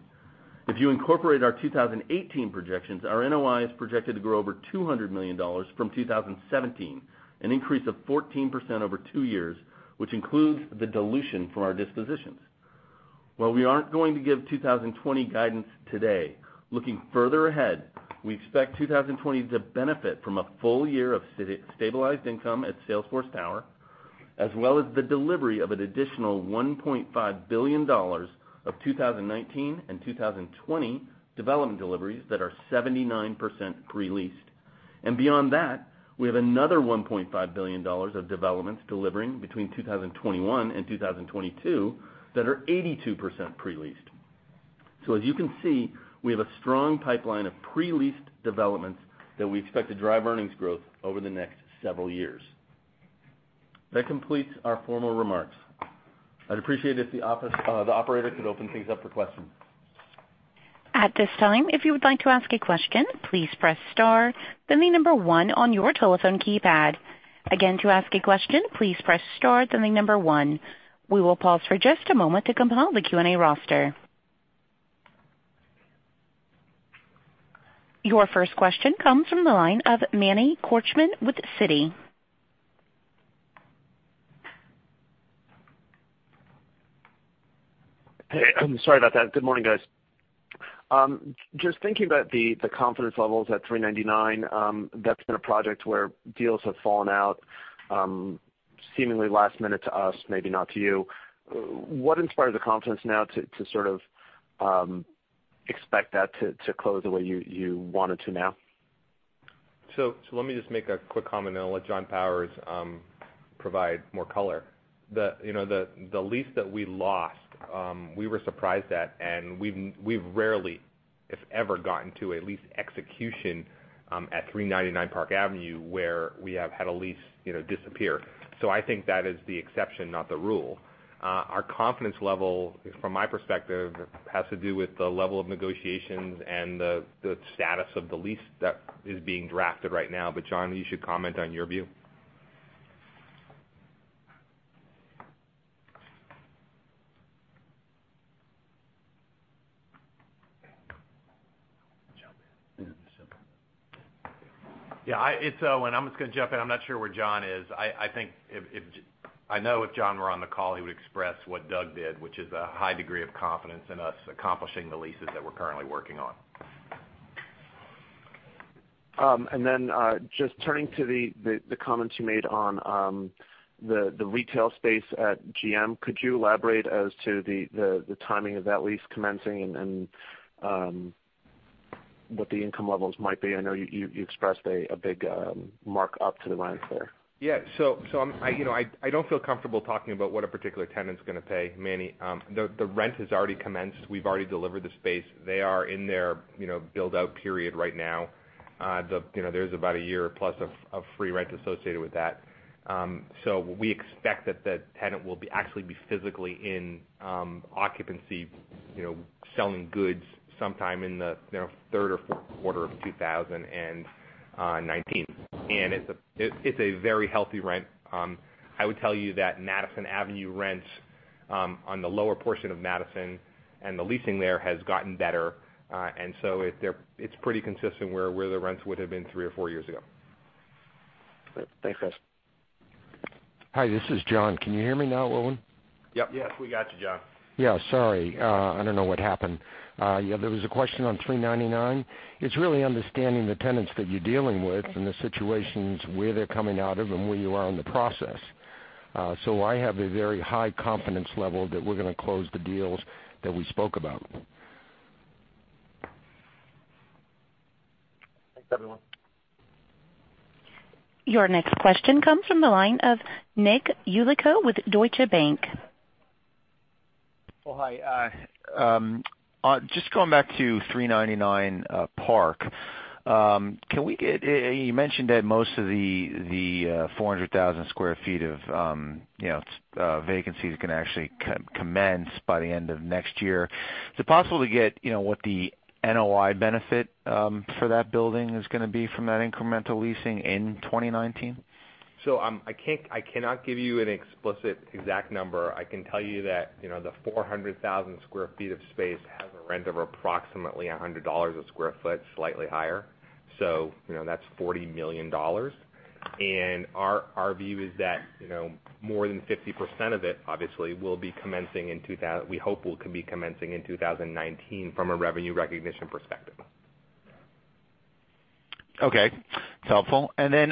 E: If you incorporate our 2018 projections, our NOI is projected to grow over $200 million from 2017, an increase of 14% over two years, which includes the dilution from our dispositions. While we aren't going to give 2020 guidance today, looking further ahead, we expect 2020 to benefit from a full year of stabilized income at Salesforce Tower, as well as the delivery of an additional $1.5 billion of 2019 and 2020 development deliveries that are 79% pre-leased. Beyond that, we have another $1.5 billion of developments delivering between 2021 and 2022 that are 82% pre-leased. As you can see, we have a strong pipeline of pre-leased developments that we expect to drive earnings growth over the next several years. That completes our formal remarks. I'd appreciate if the operator could open things up for questions.
A: At this time, if you would like to ask a question, please press star, then the number 1 on your telephone keypad. Again, to ask a question, please press star, then the number 1. We will pause for just a moment to compile the Q&A roster. Your first question comes from the line of Manny Korchman with Citi.
F: Hey, sorry about that. Good morning, guys. Just thinking about the confidence levels at 399, that's been a project where deals have fallen out seemingly last-minute to us, maybe not to you. What inspired the confidence now to sort of expect that to close the way you want it to now?
D: Let me just make a quick comment, and I'll let John Powers Provide more color. The lease that we lost, we were surprised at, and we've rarely, if ever, gotten to a lease execution at 399 Park Avenue where we have had a lease disappear. I think that is the exception, not the rule. Our confidence level, from my perspective, has to do with the level of negotiations and the status of the lease that is being drafted right now. John, you should comment on your view.
F: Jump in.
C: It's Owen. I'm just going to jump in. I'm not sure where John is. I know if John were on the call, he would express what Doug did, which is a high degree of confidence in us accomplishing the leases that we're currently working on.
F: Just turning to the comments you made on the retail space at GM. Could you elaborate as to the timing of that lease commencing and what the income levels might be? I know you expressed a big mark-up to the line there.
D: Yeah. I don't feel comfortable talking about what a particular tenant's going to pay, Manny. The rent has already commenced. We've already delivered the space. They are in their build-out period right now. There's about a year plus of free rent associated with that. We expect that that tenant will actually be physically in occupancy, selling goods sometime in the third or fourth quarter of 2019. It's a very healthy rent. I would tell you that Madison Avenue rent on the lower portion of Madison and the leasing there has gotten better. It's pretty consistent where the rents would've been three or four years ago.
F: Great. Thanks, guys.
G: Hi, this is John. Can you hear me now, Owen?
F: Yep. Yes, we got you, John.
G: Yeah, sorry. I don't know what happened. Yeah, there was a question on 399. It's really understanding the tenants that you're dealing with and the situations, where they're coming out of, and where you are in the process. I have a very high confidence level that we're going to close the deals that we spoke about.
F: Thanks, everyone.
A: Your next question comes from the line of Nicholas Yulico with Deutsche Bank.
H: Well, hi. Just going back to 399 Park. You mentioned that most of the 400,000 square feet of vacancies can actually commence by the end of next year. Is it possible to get what the NOI benefit for that building is going to be from that incremental leasing in 2019?
D: I cannot give you an explicit exact number. I can tell you that the 400,000 square feet of space has a rent of approximately $100 a square foot, slightly higher. That's $40 million. Our view is that more than 50% of it, obviously, we hope will be commencing in 2019 from a revenue recognition perspective.
H: Okay. That's helpful. Owen,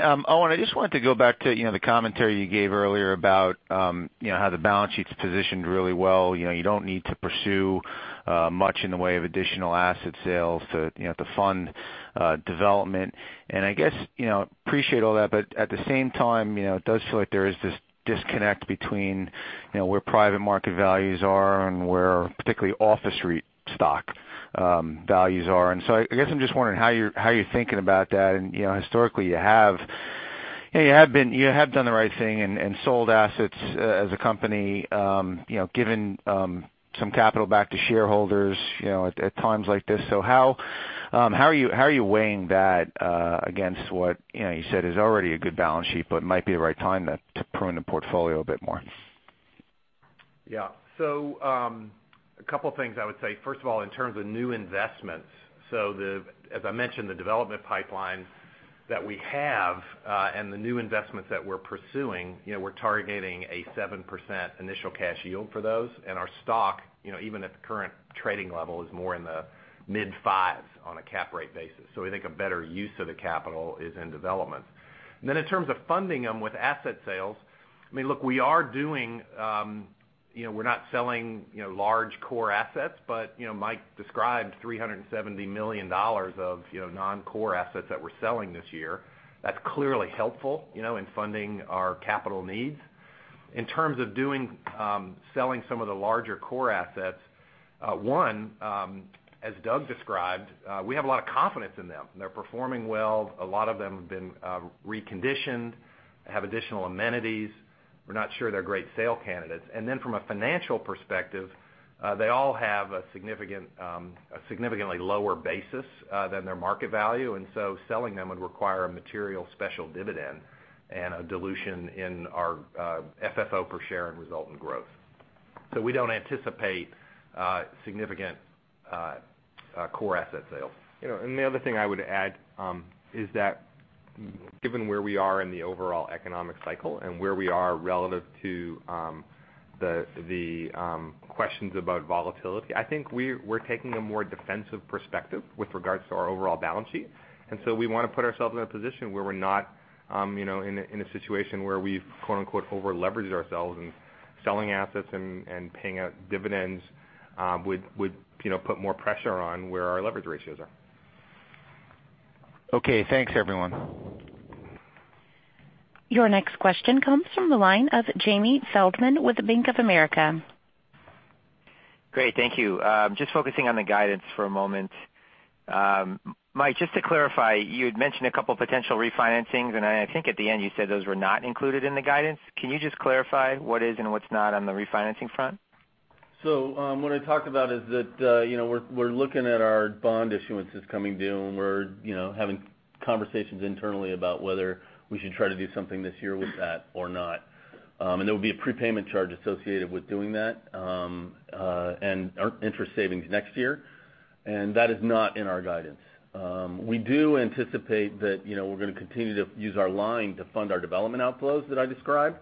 H: I just wanted to go back to the commentary you gave earlier about how the balance sheet's positioned really well. You don't need to pursue much in the way of additional asset sales to fund development. I guess, appreciate all that, but at the same time, it does feel like there is this disconnect between where private market values are and where particularly office REIT stock values are. I guess I'm just wondering how you're thinking about that. Historically, you have done the right thing and sold assets, as a company, given some capital back to shareholders at times like this. How are you weighing that against what you said is already a good balance sheet, but might be the right time to prune the portfolio a bit more?
C: Yeah. A couple things I would say. First of all, in terms of new investments, as I mentioned, the development pipelines that we have, and the new investments that we're pursuing, we're targeting a 7% initial cash yield for those. Our stock, even at the current trading level, is more in the mid-fives on a cap rate basis. We think a better use of the capital is in development. In terms of funding them with asset sales, look, we're not selling large core assets. Mike described $370 million of non-core assets that we're selling this year. That's clearly helpful in funding our capital needs. In terms of selling some of the larger core assets, one, as Doug described, we have a lot of confidence in them. They're performing well. A lot of them have been reconditioned, have additional amenities. We're not sure they're great sale candidates. From a financial perspective, they all have a significantly lower basis than their market value, selling them would require a material special dividend and a dilution in our FFO per share and result in growth. We don't anticipate significant core asset sales.
D: The other thing I would add is that given where we are in the overall economic cycle and where we are relative to the questions about volatility, I think we're taking a more defensive perspective with regards to our overall balance sheet. We want to put ourselves in a position where we're not in a situation where we've, quote-unquote, "over-leveraged ourselves." Selling assets and paying out dividends would put more pressure on where our leverage ratios are.
H: Okay, thanks everyone.
A: Your next question comes from the line of James Feldman with Bank of America.
I: Great. Thank you. Just focusing on the guidance for a moment. Mike, just to clarify, you had mentioned a couple potential refinancings, I think at the end you said those were not included in the guidance. Can you just clarify what is and what's not on the refinancing front?
E: What I talked about is that, we're looking at our bond issuances coming due, we're having conversations internally about whether we should try to do something this year with that or not. There will be a prepayment charge associated with doing that, and our interest savings next year. That is not in our guidance. We do anticipate that we're going to continue to use our line to fund our development outflows that I described.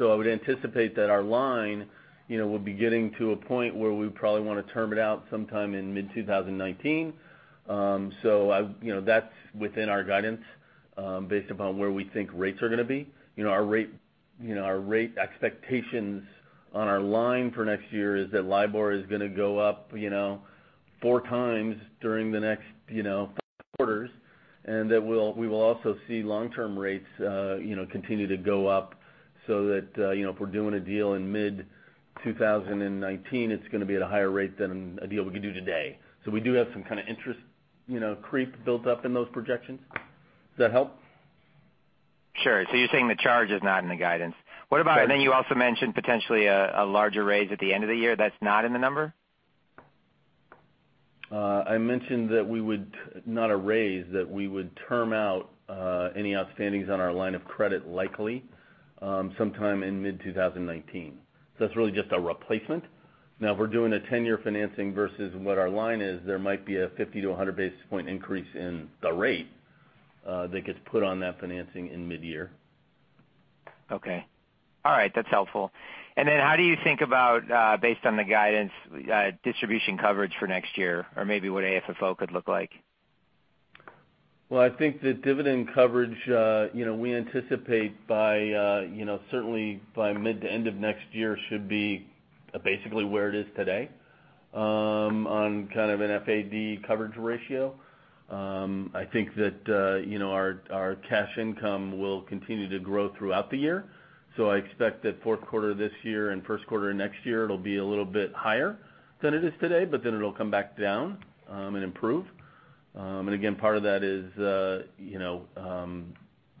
E: I would anticipate that our line will be getting to a point where we probably want to term it out sometime in mid-2019. That's within our guidance, based upon where we think rates are going to be. Our rate expectations on our line for next year is that LIBOR is going to go up four times during the next four quarters, and that we will also see long-term rates continue to go up, so that, if we're doing a deal in mid-2019, it's going to be at a higher rate than a deal we could do today. We do have some kind of interest creep built up in those projections. Does that help?
I: Sure. You're saying the charge is not in the guidance.
E: Right.
I: What about, and then you also mentioned potentially a larger raise at the end of the year. That's not in the number?
E: I mentioned that we would, not a raise, that we would term out any outstandings on our line of credit likely, sometime in mid-2019. That's really just a replacement. If we're doing a 10-year financing versus what our line is, there might be a 50 to 100 basis point increase in the rate that gets put on that financing in mid-year.
I: Okay. All right. That's helpful. How do you think about, based on the guidance, distribution coverage for next year, or maybe what AFFO could look like?
E: Well, I think the dividend coverage, we anticipate certainly by mid to end of next year, should be basically where it is today, on kind of an FAD coverage ratio. I think that our cash income will continue to grow throughout the year, I expect that fourth quarter this year and first quarter next year, it'll be a little bit higher than it is today, it'll come back down, and improve. Again, part of that is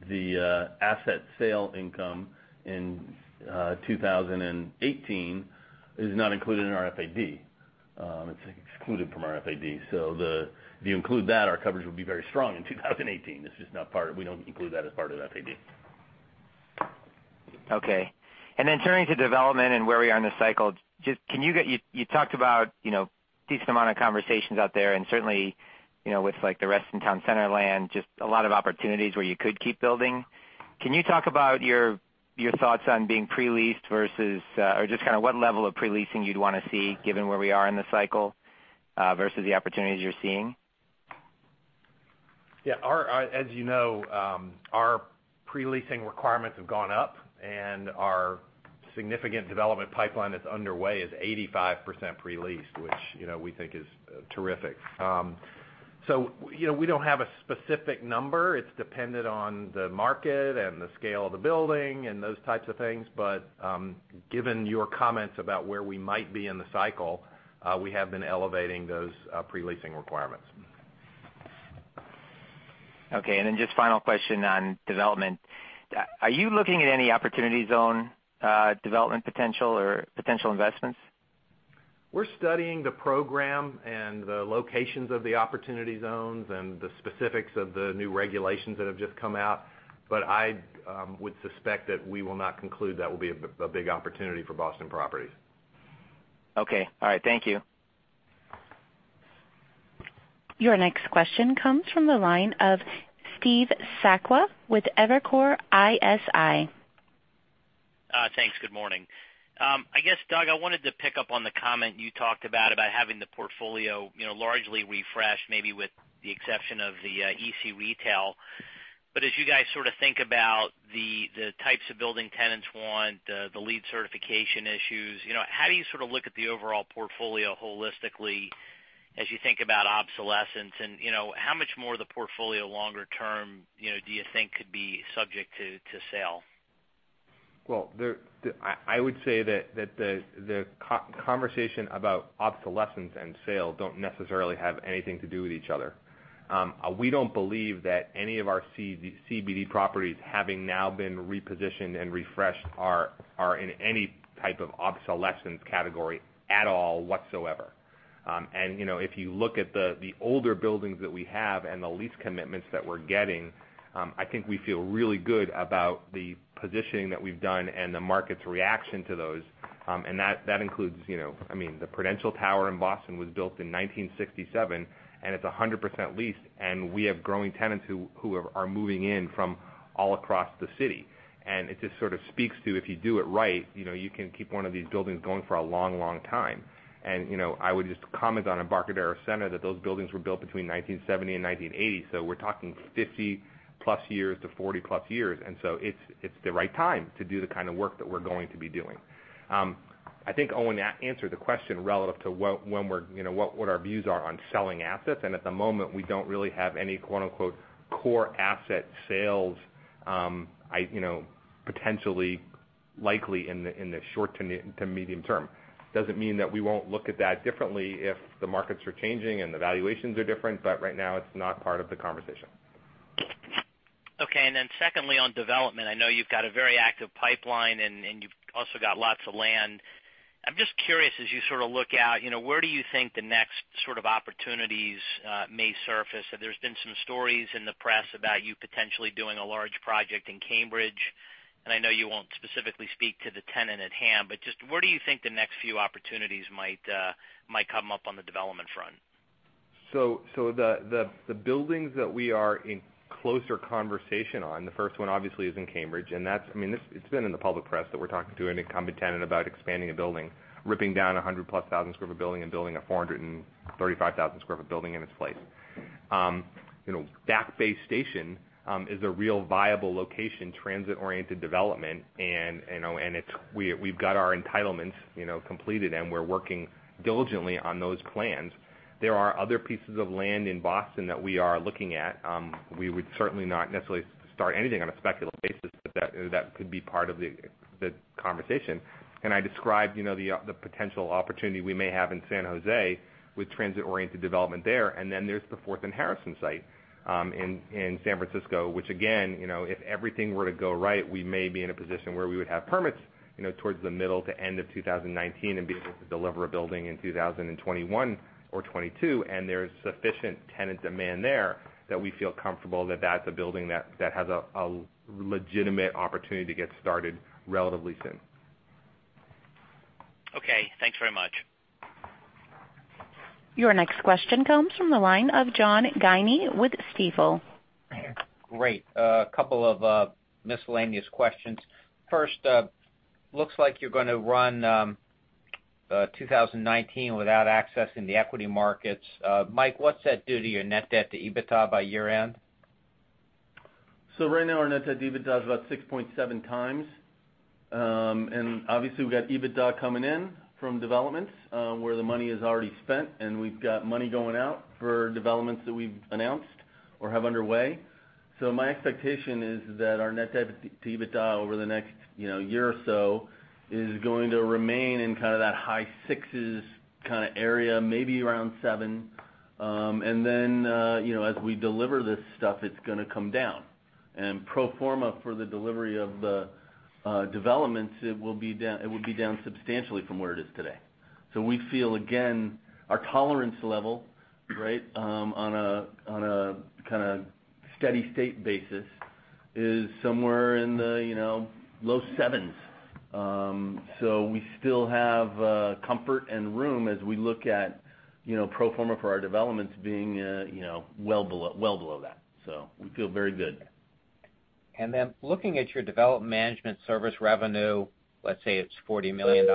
E: the asset sale income in 2018 is not included in our FAD. It's excluded from our FAD. If you include that, our coverage would be very strong in 2018. It's just we don't include that as part of FAD.
I: Okay. Turning to development and where we are in the cycle. You talked about decent amount of conversations out there and certainly, with like the Reston Town Center land, just a lot of opportunities where you could keep building. Can you talk about your thoughts on being pre-leased versus, or just kind of what level of pre-leasing you'd want to see given where we are in the cycle, versus the opportunities you're seeing?
D: Yeah. As you know, our pre-leasing requirements have gone up and our significant development pipeline that's underway is 85% pre-leased, which we think is terrific. We don't have a specific number. It's dependent on the market and the scale of the building and those types of things. Given your comments about where we might be in the cycle, we have been elevating those pre-leasing requirements.
I: Okay, just final question on development. Are you looking at any Opportunity Zone development potential or potential investments?
E: We're studying the program and the locations of the Opportunity Zones and the specifics of the new regulations that have just come out, I would suspect that we will not conclude that will be a big opportunity for Boston Properties.
I: Okay. All right. Thank you.
A: Your next question comes from the line of Stephen Sakwa with Evercore ISI.
J: Thanks. Good morning. I guess, Doug, I wanted to pick up on the comment you talked about having the portfolio largely refreshed, maybe with the exception of the EC retail. As you guys sort of think about the types of building tenants want, the LEED certification issues, how do you sort of look at the overall portfolio holistically as you think about obsolescence and, how much more of the portfolio longer term do you think could be subject to sale?
D: Well, I would say that the conversation about obsolescence and sale don't necessarily have anything to do with each other. We don't believe that any of our CBD properties having now been repositioned and refreshed are in any type of obsolescence category at all whatsoever. If you look at the older buildings that we have and the lease commitments that we're getting, I think we feel really good about the positioning that we've done and the market's reaction to those. That includes, the Prudential Tower in Boston was built in 1967, and it's 100% leased, and we have growing tenants who are moving in from all across the city. It just sort of speaks to, if you do it right, you can keep one of these buildings going for a long, long time.
E: I would just comment on Embarcadero Center, that those buildings were built between 1970 and 1980. We're talking 50-plus years to 40-plus years, it's the right time to do the kind of work that we're going to be doing.
D: I think Owen answered the question relative to what our views are on selling assets. At the moment, we don't really have any, quote unquote, core asset sales potentially likely in the short to medium term. It doesn't mean that we won't look at that differently if the markets are changing and the valuations are different. Right now, it's not part of the conversation.
J: Okay. Secondly, on development, I know you've got a very active pipeline and you've also got lots of land. I'm just curious, as you sort of look out, where do you think the next sort of opportunities may surface? There's been some stories in the press about you potentially doing a large project in Cambridge, I know you won't specifically speak to the tenant at hand, but just where do you think the next few opportunities might come up on the development front?
D: The buildings that we are in closer conversation on, the first one obviously is in Cambridge, it's been in the public press that we're talking to an incumbent tenant about expanding a building, ripping down 100-plus thousand sq ft building and building a 435,000 sq ft building in its place. Back Bay Station is a real viable location, transit-oriented development, we've got our entitlements completed, we're working diligently on those plans. There are other pieces of land in Boston that we are looking at. We would certainly not necessarily start anything on a speculative basis, but that could be part of the conversation. I described the potential opportunity we may have in San Jose with transit-oriented development there. There's the Fourth and Harrison site in San Francisco, which again, if everything were to go right, we may be in a position where we would have permits towards the middle to end of 2019 and be able to deliver a building in 2021 or 2022. There's sufficient tenant demand there that we feel comfortable that that's a building that has a legitimate opportunity to get started relatively soon.
J: Okay. Thanks very much.
A: Your next question comes from the line of John Guiney with Stifel.
K: Great. A couple of miscellaneous questions. First, looks like you're going to run 2019 without accessing the equity markets. Mike, what's that do to your net debt to EBITDA by year-end?
E: Right now, our net debt to EBITDA is about 6.7 times. Obviously, we've got EBITDA coming in from developments, where the money is already spent, and we've got money going out for developments that we've announced or have underway. My expectation is that our net debt to EBITDA over the next year or so is going to remain in kind of that high sixes kind of area, maybe around seven. Then, as we deliver this stuff, it's going to come down. Pro forma for the delivery of the developments, it would be down substantially from where it is today. We feel, again, our tolerance level on a kind of steady-state basis is somewhere in the low sevens. We still have comfort and room as we look at pro forma for our developments being well below that. We feel very good.
K: Looking at your development management service revenue, let's say it's $40 million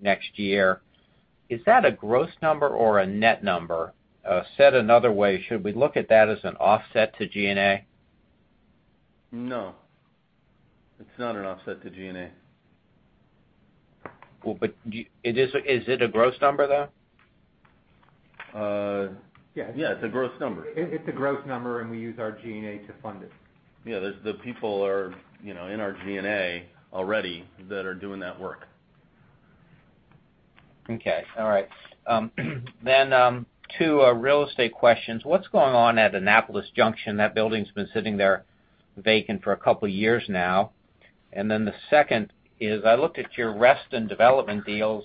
K: next year, is that a gross number or a net number? Said another way, should we look at that as an offset to G&A?
E: No. It's not an offset to G&A.
K: Is it a gross number, though?
D: Yeah.
L: Yeah, it's a gross number.
D: It's a gross number, and we use our G&A to fund it.
L: Yeah. The people are in our G&A already that are doing that work.
K: Okay. All right. Two real estate questions. What's going on at Annapolis Junction? That building's been sitting there vacant for a couple of years now. The second is, I looked at your Reston development deals,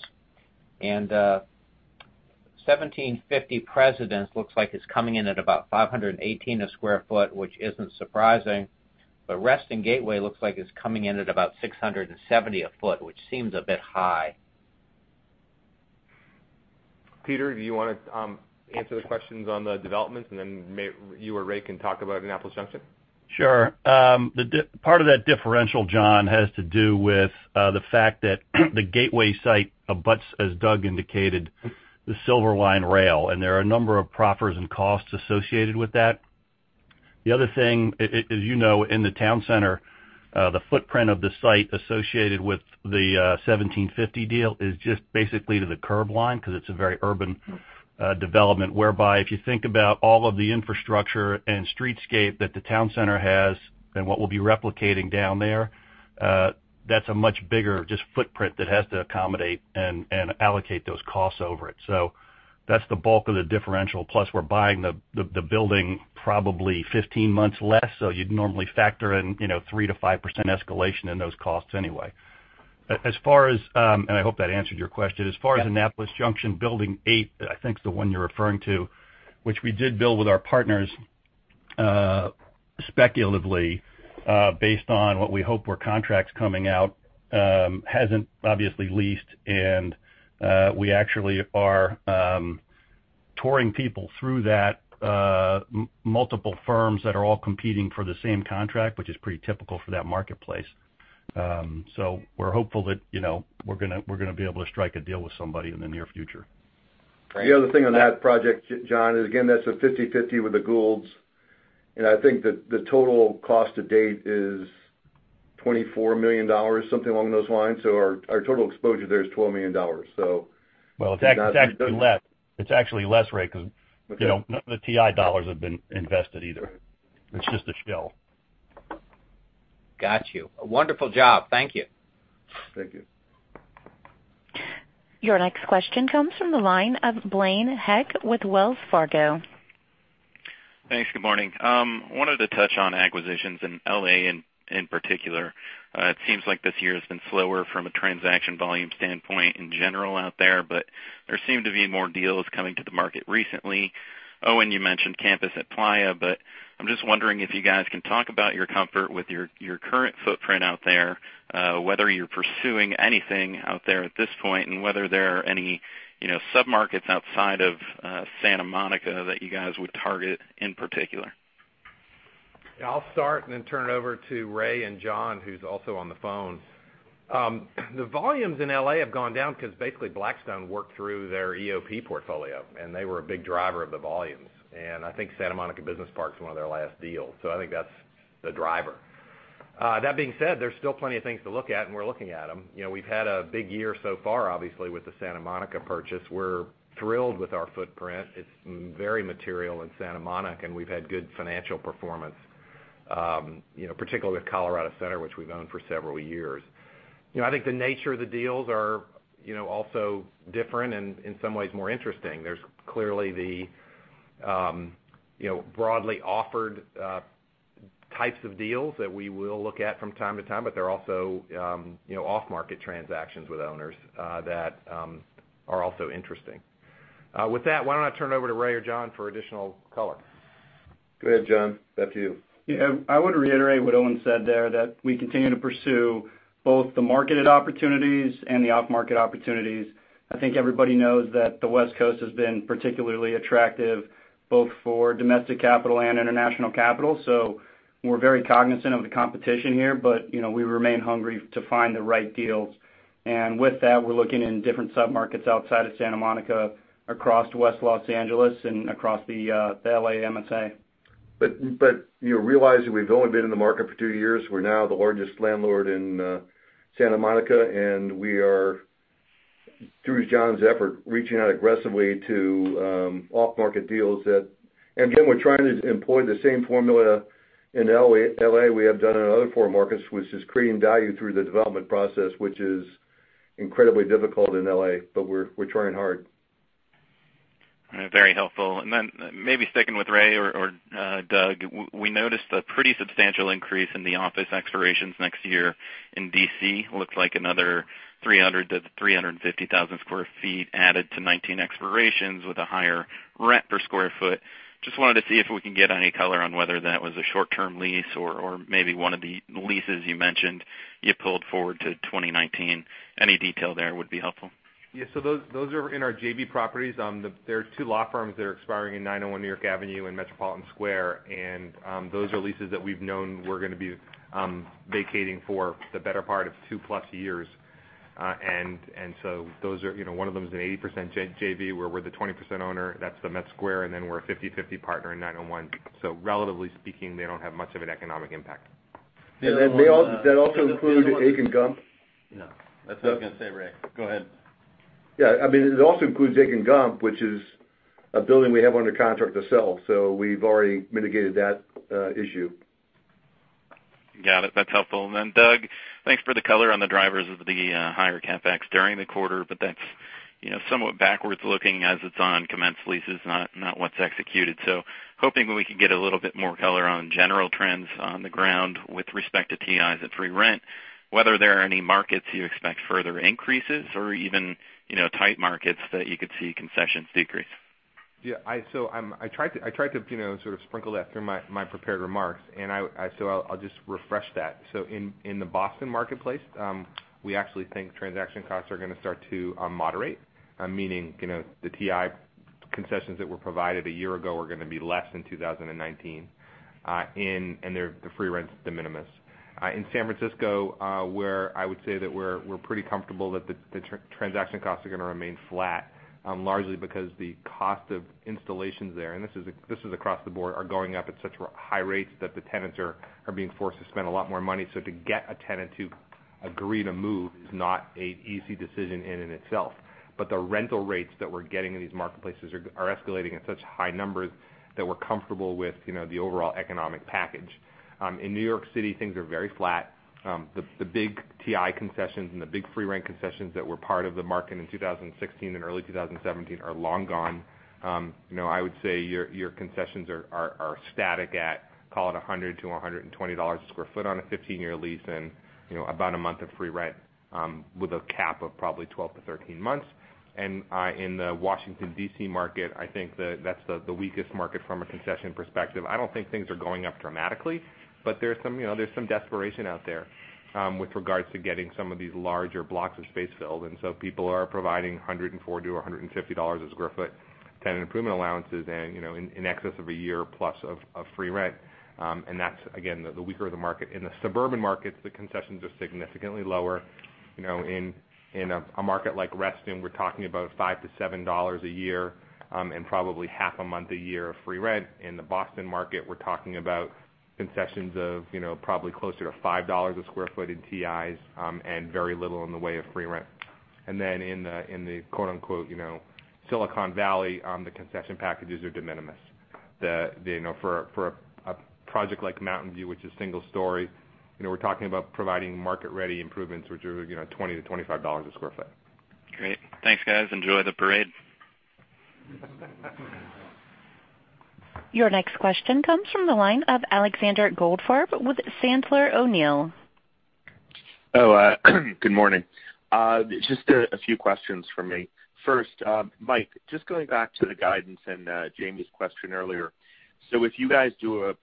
K: 1750 President looks like it's coming in at about 518 a square foot, which isn't surprising. Reston Gateway looks like it's coming in at about 670 a foot, which seems a bit high.
D: Peter, do you want to answer the questions on the developments, and then you or Ray can talk about Annapolis Junction?
L: Sure. Part of that differential, John, has to do with the fact that the Gateway site abuts, as Doug indicated, the Silver Line rail, and there are a number of proffers and costs associated with that. The other thing, as you know, in the town center, the footprint of the site associated with the 1750 deal is just basically to the curb line because it's a very urban development, whereby if you think about all of the infrastructure and streetscape that the town center has and what we'll be replicating down there, that's a much bigger just footprint that has to accommodate and allocate those costs over it. That's the bulk of the differential. Plus, we're buying the building probably 15 months less, so you'd normally factor in 3%-5% escalation in those costs anyway. I hope that answered your question. As far as Annapolis Junction, Building 8, I think, is the one you're referring to, which we did build with our partners speculatively based on what we hope were contracts coming out. Hasn't obviously leased, and we actually are touring people through that, multiple firms that are all competing for the same contract, which is pretty typical for that marketplace. We're hopeful that we're going to be able to strike a deal with somebody in the near future.
D: The other thing on that project, John, is, again, that's a 50/50 with the Goulds.
M: I think that the total cost to date is $24 million, something along those lines. Our total exposure there is $12 million.
L: Well, it's actually less, Ray, because none of the TI dollars have been invested either. It's just a shell.
K: Got you. A wonderful job. Thank you.
M: Thank you.
A: Your next question comes from the line of Blaine Heck with Wells Fargo.
N: Thanks. Good morning. Wanted to touch on acquisitions in L.A., in particular. It seems like this year has been slower from a transaction volume standpoint in general out there, but there seem to be more deals coming to the market recently. Owen, you mentioned campus at Playa, but I'm just wondering if you guys can talk about your comfort with your current footprint out there, whether you're pursuing anything out there at this point, and whether there are any sub-markets outside of Santa Monica that you guys would target in particular.
C: Yeah, I'll start. Then turn it over to Ray and John, who's also on the phone. The volumes in L.A. have gone down because basically Blackstone worked through their EOP portfolio, and they were a big driver of the volumes. I think Santa Monica Business Park is one of their last deals. I think that's the driver. That being said, there's still plenty of things to look at, and we're looking at them. We've had a big year so far, obviously, with the Santa Monica purchase. We're thrilled with our footprint. It's very material in Santa Monica, and we've had good financial performance, particularly with Colorado Center, which we've owned for several years. I think the nature of the deals are also different and, in some ways, more interesting. There's clearly the broadly offered types of deals that we will look at from time to time, there are also off-market transactions with owners that are also interesting. With that, why don't I turn it over to Ray or John for additional color?
M: Go ahead, John, that's you.
G: Yeah, I would reiterate what Owen said there, that we continue to pursue both the marketed opportunities and the off-market opportunities. I think everybody knows that the West Coast has been particularly attractive, both for domestic capital and international capital. We're very cognizant of the competition here, but we remain hungry to find the right deals. With that, we're looking in different sub-markets outside of Santa Monica, across West L.A., and across the L.A. MSA.
M: Realizing we've only been in the market for two years, we're now the largest landlord in Santa Monica, and we are, through John's effort, reaching out aggressively to off-market deals. Again, we're trying to employ the same formula in L.A. we have done in our other four markets, which is creating value through the development process, which is incredibly difficult in L.A., but we're trying hard.
N: Very helpful. Then maybe sticking with Ray or Doug, we noticed a pretty substantial increase in the office expirations next year in D.C. Looks like another 300,000-350,000 square feet added to 19 expirations with a higher rent per square foot. Just wanted to see if we can get any color on whether that was a short-term lease or maybe one of the leases you mentioned you pulled forward to 2019. Any detail there would be helpful.
D: Yeah. Those are in our JV properties. There's two law firms that are expiring in 901 New York Avenue and Metropolitan Square. Those are leases that we've known were going to be vacating for the better part of two-plus years. One of them is an 80% JV, where we're the 20% owner. That's the Met Square, and then we're a 50/50 partner in 901. Relatively speaking, they don't have much of an economic impact.
M: That also includes Akin Gump.
D: No, that's what I was going to say, Ray. Go ahead.
M: Yeah, it also includes Akin Gump, which is a building we have under contract to sell. We've already mitigated that issue.
N: Got it. That's helpful. Doug, thanks for the color on the drivers of the higher CapEx during the quarter, but that's somewhat backwards looking as it's on commenced leases, not what's executed. Hoping we could get a little bit more color on general trends on the ground with respect to TIs at free rent, whether there are any markets you expect further increases or even tight markets that you could see concessions decrease.
D: Yeah. I tried to sort of sprinkle that through my prepared remarks. I'll just refresh that. In the Boston marketplace, we actually think transaction costs are going to start to moderate, meaning the TI concessions that were provided a year ago are going to be less in 2019. The free rent's de minimis. In San Francisco, I would say that we're pretty comfortable that the transaction costs are going to remain flat, largely because the cost of installations there, and this is across the board, are going up at such high rates that the tenants are being forced to spend a lot more money. To get a tenant to agree to move is not an easy decision in and itself. The rental rates that we're getting in these marketplaces are escalating at such high numbers that we're comfortable with the overall economic package.
C: In New York City, things are very flat. The big TI concessions and the big free rent concessions that were part of the market in 2016 and early 2017 are long gone. I would say your concessions are static at, call it, $100-$120 a square foot on a 15-year lease and about a month of free rent, with a cap of probably 12-13 months. In the Washington, D.C. market, I think that's the weakest market from a concession perspective. I don't think things are going up dramatically, but there's some desperation out there with regards to getting some of these larger blocks of space filled. People are providing $104-$150 a square foot tenant improvement allowances and in excess of a year plus of free rent. That's, again, the weaker the market. In the suburban markets, the concessions are significantly lower. In a market like Reston, we're talking about $5-$7 a year, and probably half a month a year of free rent. In the Boston market, we're talking about concessions of probably closer to $5 a square foot in TIs, and very little in the way of free rent. In the quote-unquote, Silicon Valley, the concession packages are de minimis. That for a project like Mountain View, which is single story, we're talking about providing market-ready improvements, which are $20-$25 a square foot.
N: Great. Thanks, guys. Enjoy the parade.
A: Your next question comes from the line of Alexander Goldfarb with Sandler O'Neill.
O: Good morning. Just a few questions from me. First, Mike, just going back to the guidance and Jamie's question earlier. If you guys do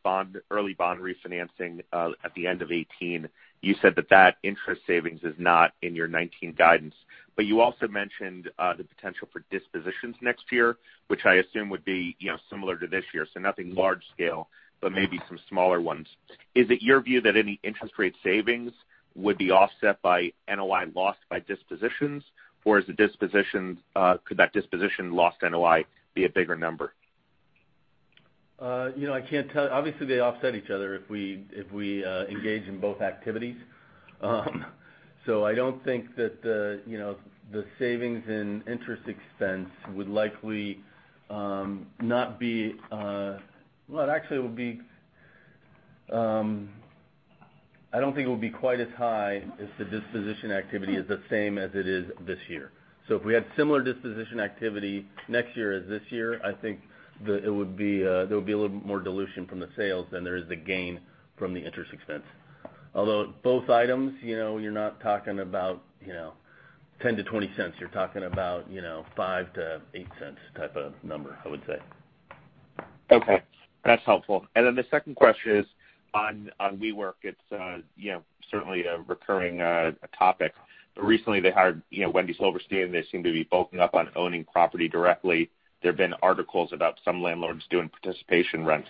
O: early bond refinancing at the end of 2018, you said that that interest savings is not in your 2019 guidance. You also mentioned the potential for dispositions next year, which I assume would be similar to this year. Nothing large scale, but maybe some smaller ones. Is it your view that any interest rate savings would be offset by NOI lost by dispositions, or could that disposition lost NOI be a bigger number?
E: I can't tell. Obviously, they offset each other if we engage in both activities. I don't think that the savings in interest expense would likely not be Well, actually, I don't think it will be quite as high if the disposition activity is the same as it is this year. If we had similar disposition activity next year as this year, I think there'll be a little bit more dilution from the sales than there is the gain from the interest expense. Although both items, you're not talking about $0.10-$0.20. You're talking about $0.05-$0.08 type of number, I would say.
O: Okay. That's helpful. The second question is on WeWork. It's certainly a recurring topic. Recently, they hired Wendy Silverstein, they seem to be bulking up on owning property directly. There have been articles about some landlords doing participation rents.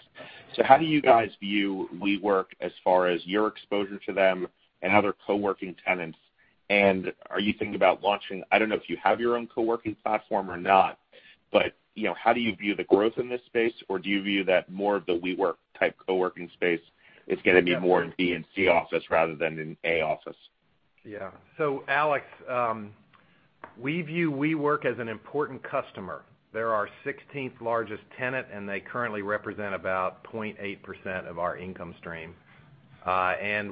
O: How do you guys view WeWork as far as your exposure to them and other co-working tenants? Are you thinking about launching, I don't know if you have your own co-working platform or not, but how do you view the growth in this space, or do you view that more of the WeWork type co-working space is going to be more in B and C office rather than in A office?
C: Alex, we view WeWork as an important customer. They're our 16th largest tenant, and they currently represent about 0.8% of our income stream.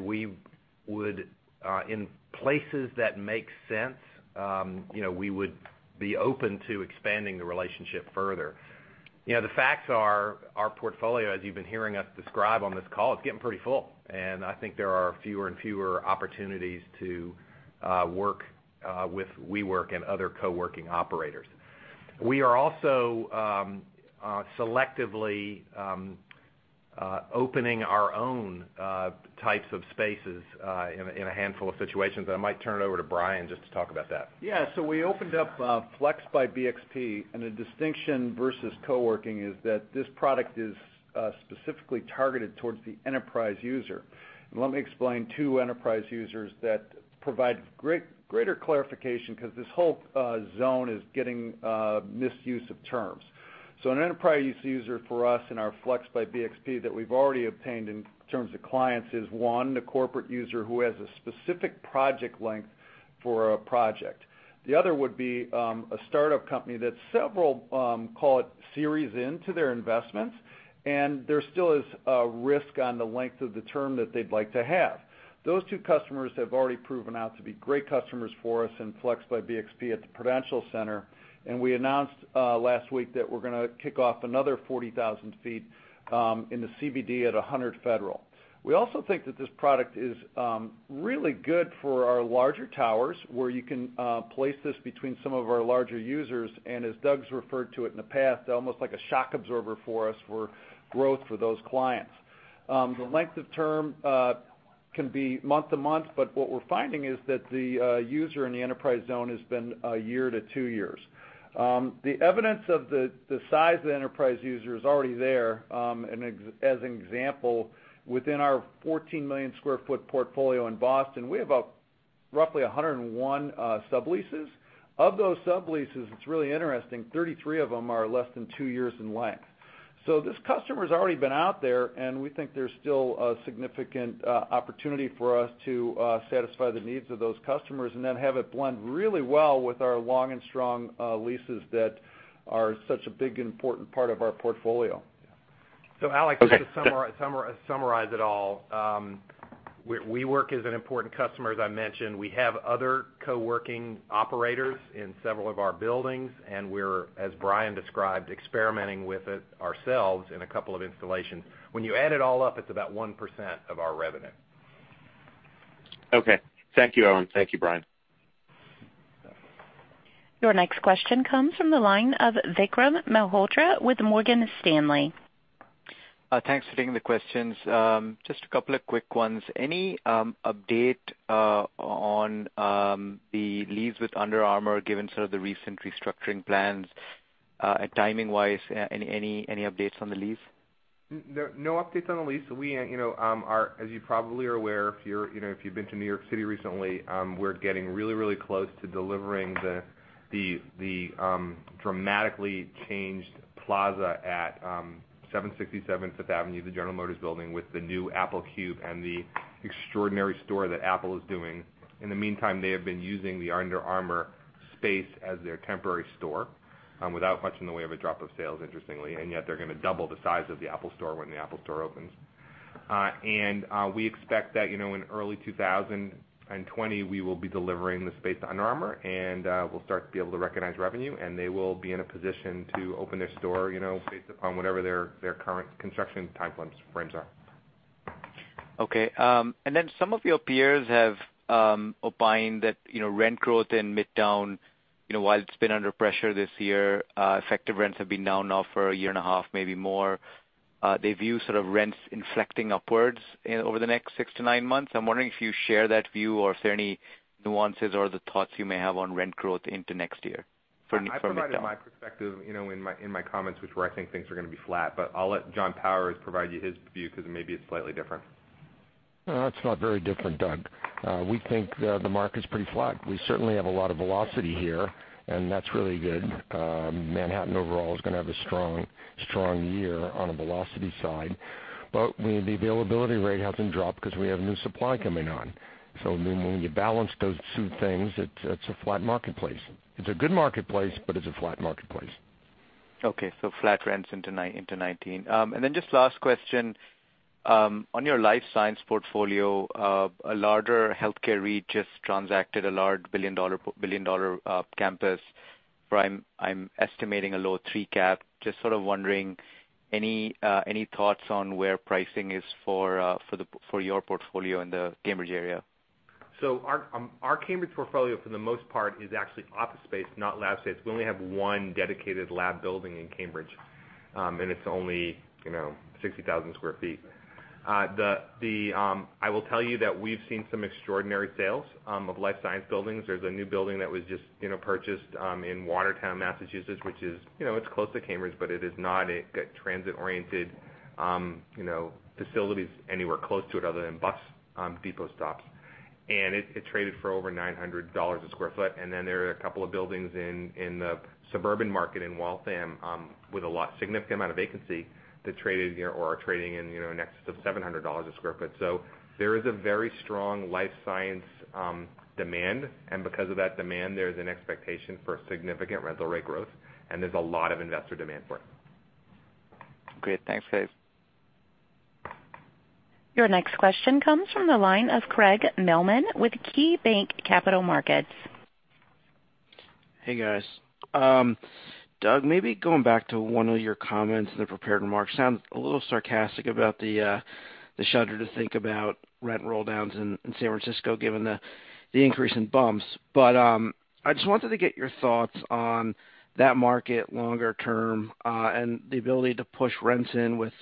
C: We would, in places that make sense, we would be open to expanding the relationship further. The facts are, our portfolio, as you've been hearing us describe on this call, it's getting pretty full. I think there are fewer and fewer opportunities to work with WeWork and other co-working operators. We are also selectively opening our own types of spaces in a handful of situations. I might turn it over to Brian just to talk about that.
P: We opened up Flex by BXP, and the distinction versus co-working is that this product is specifically targeted towards the enterprise user. Let me explain two enterprise users that provide greater clarification because this whole zone is getting misuse of terms. An enterprise user for us in our Flex by BXP that we've already obtained in terms of clients is, one, the corporate user who has a specific project length for a project. The other would be, a startup company that's several, call it, series into their investments, and there still is a risk on the length of the term that they'd like to have. Those two customers have already proven out to be great customers for us in Flex by BXP at the Prudential Center. We announced last week that we're going to kick off another 40,000 feet in the CBD at 100 Federal. We also think that this product is really good for our larger towers, where you can place this between some of our larger users, and as Doug's referred to it in the past, almost like a shock absorber for us for growth for those clients. The length of term can be month to month, but what we're finding is that the user in the enterprise zone has been a year to two years. The evidence of the size of the enterprise user is already there. As an example, within our 14-million-square-foot portfolio in Boston, we have roughly 101 subleases. Of those subleases, it's really interesting, 33 of them are less than two years in length. This customer's already been out there, and we think there's still a significant opportunity for us to satisfy the needs of those customers and then have it blend really well with our long and strong leases that are such a big and important part of our portfolio.
C: Alex, just to summarize it all. WeWork is an important customer, as I mentioned. We have other co-working operators in several of our buildings, and we're, as Brian described, experimenting with it ourselves in a couple of installations. When you add it all up, it's about 1% of our revenue.
O: Okay. Thank you, Owen. Thank you, Brian.
A: Your next question comes from the line of Vikram Malhotra with Morgan Stanley.
Q: Thanks for taking the questions. Just a couple of quick ones. Any update on the lease with Under Armour, given sort of the recent restructuring plans? Timing-wise, any updates on the lease?
C: No updates on the lease. As you probably are aware, if you've been to New York City recently, we're getting really close to delivering the dramatically changed plaza at 767 Fifth Avenue, the General Motors building, with the new Apple cube and the extraordinary store that Apple is doing. In the meantime, they have been using the Under Armour space as their temporary store, without much in the way of a drop of sales, interestingly, yet they're going to double the size of the Apple store when the Apple store opens.
D: We expect that in early 2020, we will be delivering the space to Under Armour, we'll start to be able to recognize revenue, they will be in a position to open their store, based upon whatever their current construction timeframes are.
Q: Okay. Some of your peers have opined that rent growth in Midtown, while it's been under pressure this year, effective rents have been down now for a year and a half, maybe more. They view sort of rents inflecting upwards over the next six to nine months. I'm wondering if you share that view, or if there are any nuances or other thoughts you may have on rent growth into next year for Midtown.
D: I provided my perspective in my comments, which were, I think things are going to be flat. I'll let John Powers provide you his view, because it may be slightly different.
G: No, it's not very different, Doug. We think the market's pretty flat. We certainly have a lot of velocity here, and that's really good. Manhattan overall is going to have a strong year on the velocity side. The availability rate hasn't dropped because we have new supply coming on. When you balance those two things, it's a flat marketplace. It's a good marketplace, but it's a flat marketplace.
Q: Flat rents into 2019. Just last question. On your life science portfolio, a larger healthcare REIT just transacted a large billion-dollar campus. I'm estimating a low 3 cap. Just sort of wondering, any thoughts on where pricing is for your portfolio in the Cambridge area?
D: Our Cambridge portfolio, for the most part, is actually office space, not lab space. We only have one dedicated lab building in Cambridge, and it's only 60,000 sq ft. I will tell you that we've seen some extraordinary sales of life science buildings. There's a new building that was just purchased in Watertown, Massachusetts, which is close to Cambridge, but it is not a transit-oriented facility anywhere close to it other than bus depot stops. It traded for over $900 a sq ft. There are a couple of buildings in the suburban market in Waltham with a significant amount of vacancy that traded or are trading in excess of $700 a sq ft. There is a very strong life science demand. Because of that demand, there's an expectation for significant rental rate growth, and there's a lot of investor demand for it.
Q: Great. Thanks, guys.
A: Your next question comes from the line of Craig Mailman with KeyBanc Capital Markets.
R: Hey, guys. Doug, maybe going back to one of your comments in the prepared remarks. Sounded a little sarcastic about the shudder to think about rent rolldowns in San Francisco, given the increase in bumps. I just wanted to get your thoughts on that market longer term, and the ability to push rents in with,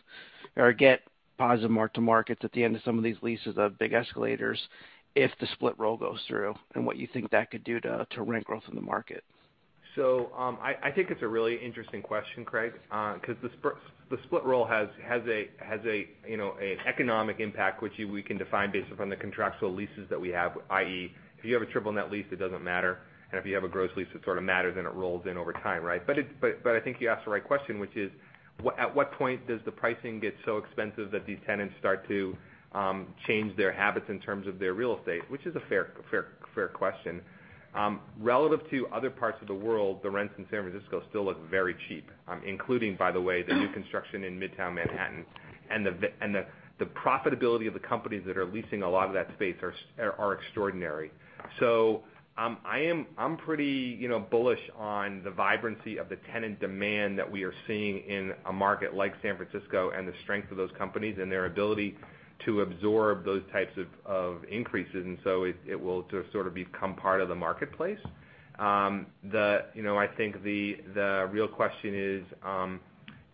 R: or get positive mark-to-markets at the end of some of these leases of big escalators if the split-roll goes through, and what you think that could do to rent growth in the market.
D: I think it's a really interesting question, Craig, because the split-roll has an economic impact, which we can define based upon the contractual leases that we have, i.e., if you have a triple net lease, it doesn't matter. If you have a gross lease, it sort of matters, and it rolls in over time, right? I think you asked the right question, which is at what point does the pricing get so expensive that these tenants start to change their habits in terms of their real estate, which is a fair question. Relative to other parts of the world, the rents in San Francisco still look very cheap, including, by the way, the new construction in Midtown Manhattan. The profitability of the companies that are leasing a lot of that space are extraordinary. I'm pretty bullish on the vibrancy of the tenant demand that we are seeing in a market like San Francisco and the strength of those companies and their ability to absorb those types of increases. It will sort of become part of the marketplace. I think the real question is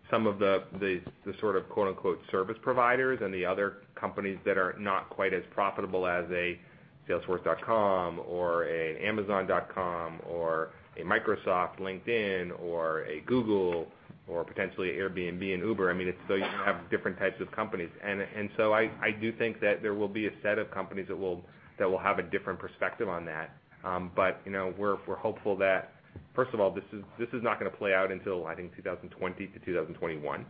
D: some of the sort of quote, unquote, "service providers" and the other companies that are not quite as profitable as a salesforce.com or an amazon.com or a Microsoft, LinkedIn, or a Google, or potentially Airbnb and Uber. I mean, you have different types of companies. I do think that there will be a set of companies that will have a different perspective on that. We're hopeful that, first of all, this is not going to play out until, I think, 2020 to 2021.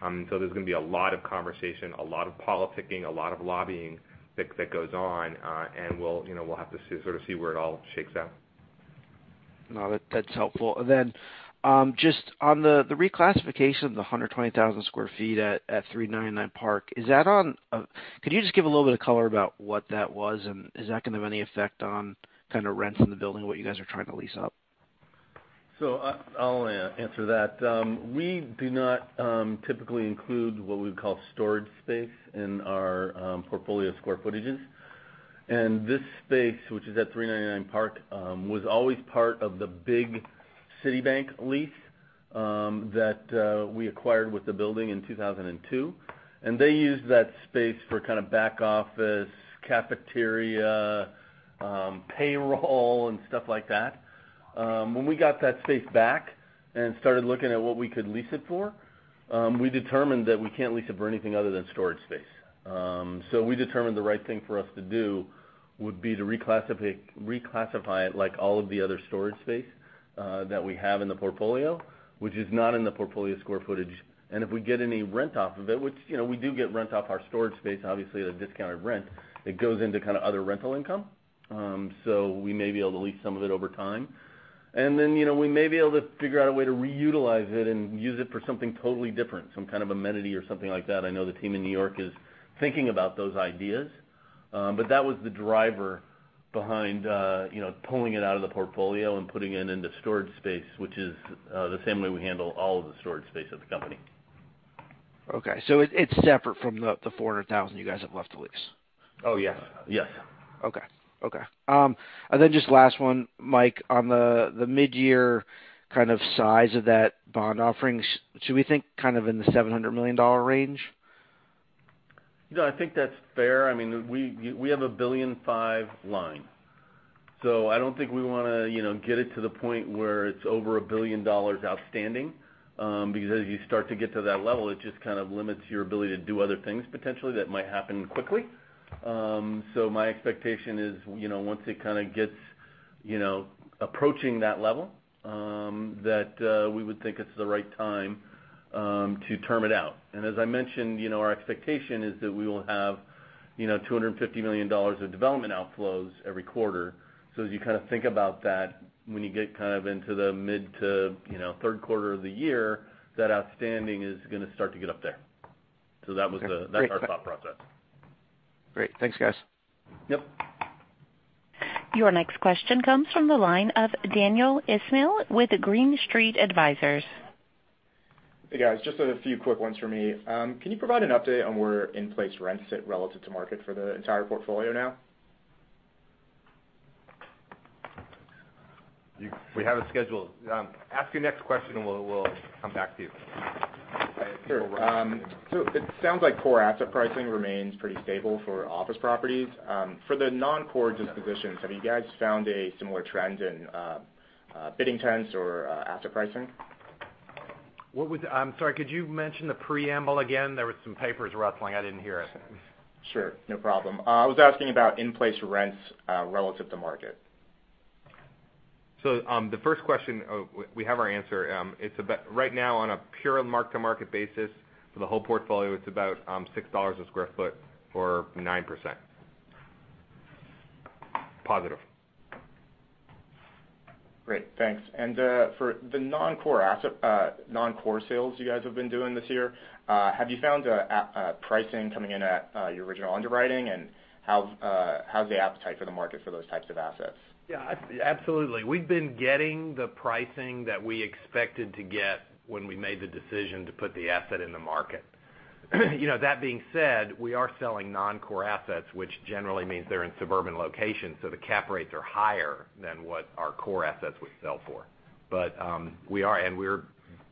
D: There's going to be a lot of conversation, a lot of politicking, a lot of lobbying that goes on, and we'll have to sort of see where it all shakes out.
R: No, that's helpful. Then just on the reclassification of the 120,000 square feet at 399 Park, could you just give a little bit of color about what that was, and is that going to have any effect on kind of rents in the building, what you guys are trying to lease up?
G: I'll answer that. We do not typically include what we call storage space in our portfolio square footages. This space, which is at 399 Park, was always part of the big Citibank lease that we acquired with the building in 2002. They used that space for kind of back office, cafeteria, payroll, and stuff like that. When we got that space back and started looking at what we could lease it for, we determined that we can't lease it for anything other than storage space. We determined the right thing for us to do would be to reclassify it like all of the other storage space that we have in the portfolio, which is not in the portfolio square footage. If we get any rent off of it, which we do get rent off our storage space, obviously at a discounted rent, it goes into kind of other rental income. We may be able to lease some of it over time.
E: We may be able to figure out a way to reutilize it and use it for something totally different, some kind of amenity or something like that. I know the team in New York is thinking about those ideas. That was the driver behind pulling it out of the portfolio and putting it into storage space, which is the same way we handle all of the storage space of the company.
R: Okay. It's separate from the 400,000 you guys have left to lease?
E: Oh, yeah.
R: Okay. Just last one, Mike, on the mid-year kind of size of that bond offerings, should we think kind of in the $700 million range?
E: No, I think that's fair. We have a $1.5 billion line. I don't think we want to get it to the point where it's over $1 billion outstanding. Because as you start to get to that level, it just kind of limits your ability to do other things, potentially, that might happen quickly. My expectation is, once it kind of gets approaching that level, that we would think it's the right time to term it out. As I mentioned, our expectation is that we will have $250 million of development outflows every quarter. As you kind of think about that, when you get kind of into the mid to third quarter of the year, that outstanding is going to start to get up there. That's our thought process.
R: Great. Thanks, guys.
E: Yep.
A: Your next question comes from the line of Daniel Ismail with Green Street Advisors.
S: Hey, guys. Just a few quick ones for me. Can you provide an update on where in-place rents sit relative to market for the entire portfolio now?
E: We have a schedule. Ask your next question and we'll come back to you.
S: Sure. It sounds like core asset pricing remains pretty stable for office properties. For the non-core dispositions, have you guys found a similar trend in bidding trends or asset pricing?
E: I'm sorry, could you mention the preamble again? There was some papers rustling, I didn't hear it.
S: Sure. No problem. I was asking about in-place rents relative to market.
E: The first question, we have our answer. Right now, on a pure market-to-market basis, for the whole portfolio, it's about $6 a square foot or 9%. Positive.
S: Great. Thanks. For the non-core sales you guys have been doing this year, have you found pricing coming in at your original underwriting, and how's the appetite for the market for those types of assets?
E: Yeah, absolutely. We've been getting the pricing that we expected to get when we made the decision to put the asset in the market. That being said, we are selling non-core assets, which generally means they're in suburban locations, so the cap rates are higher than what our core assets would sell for. We're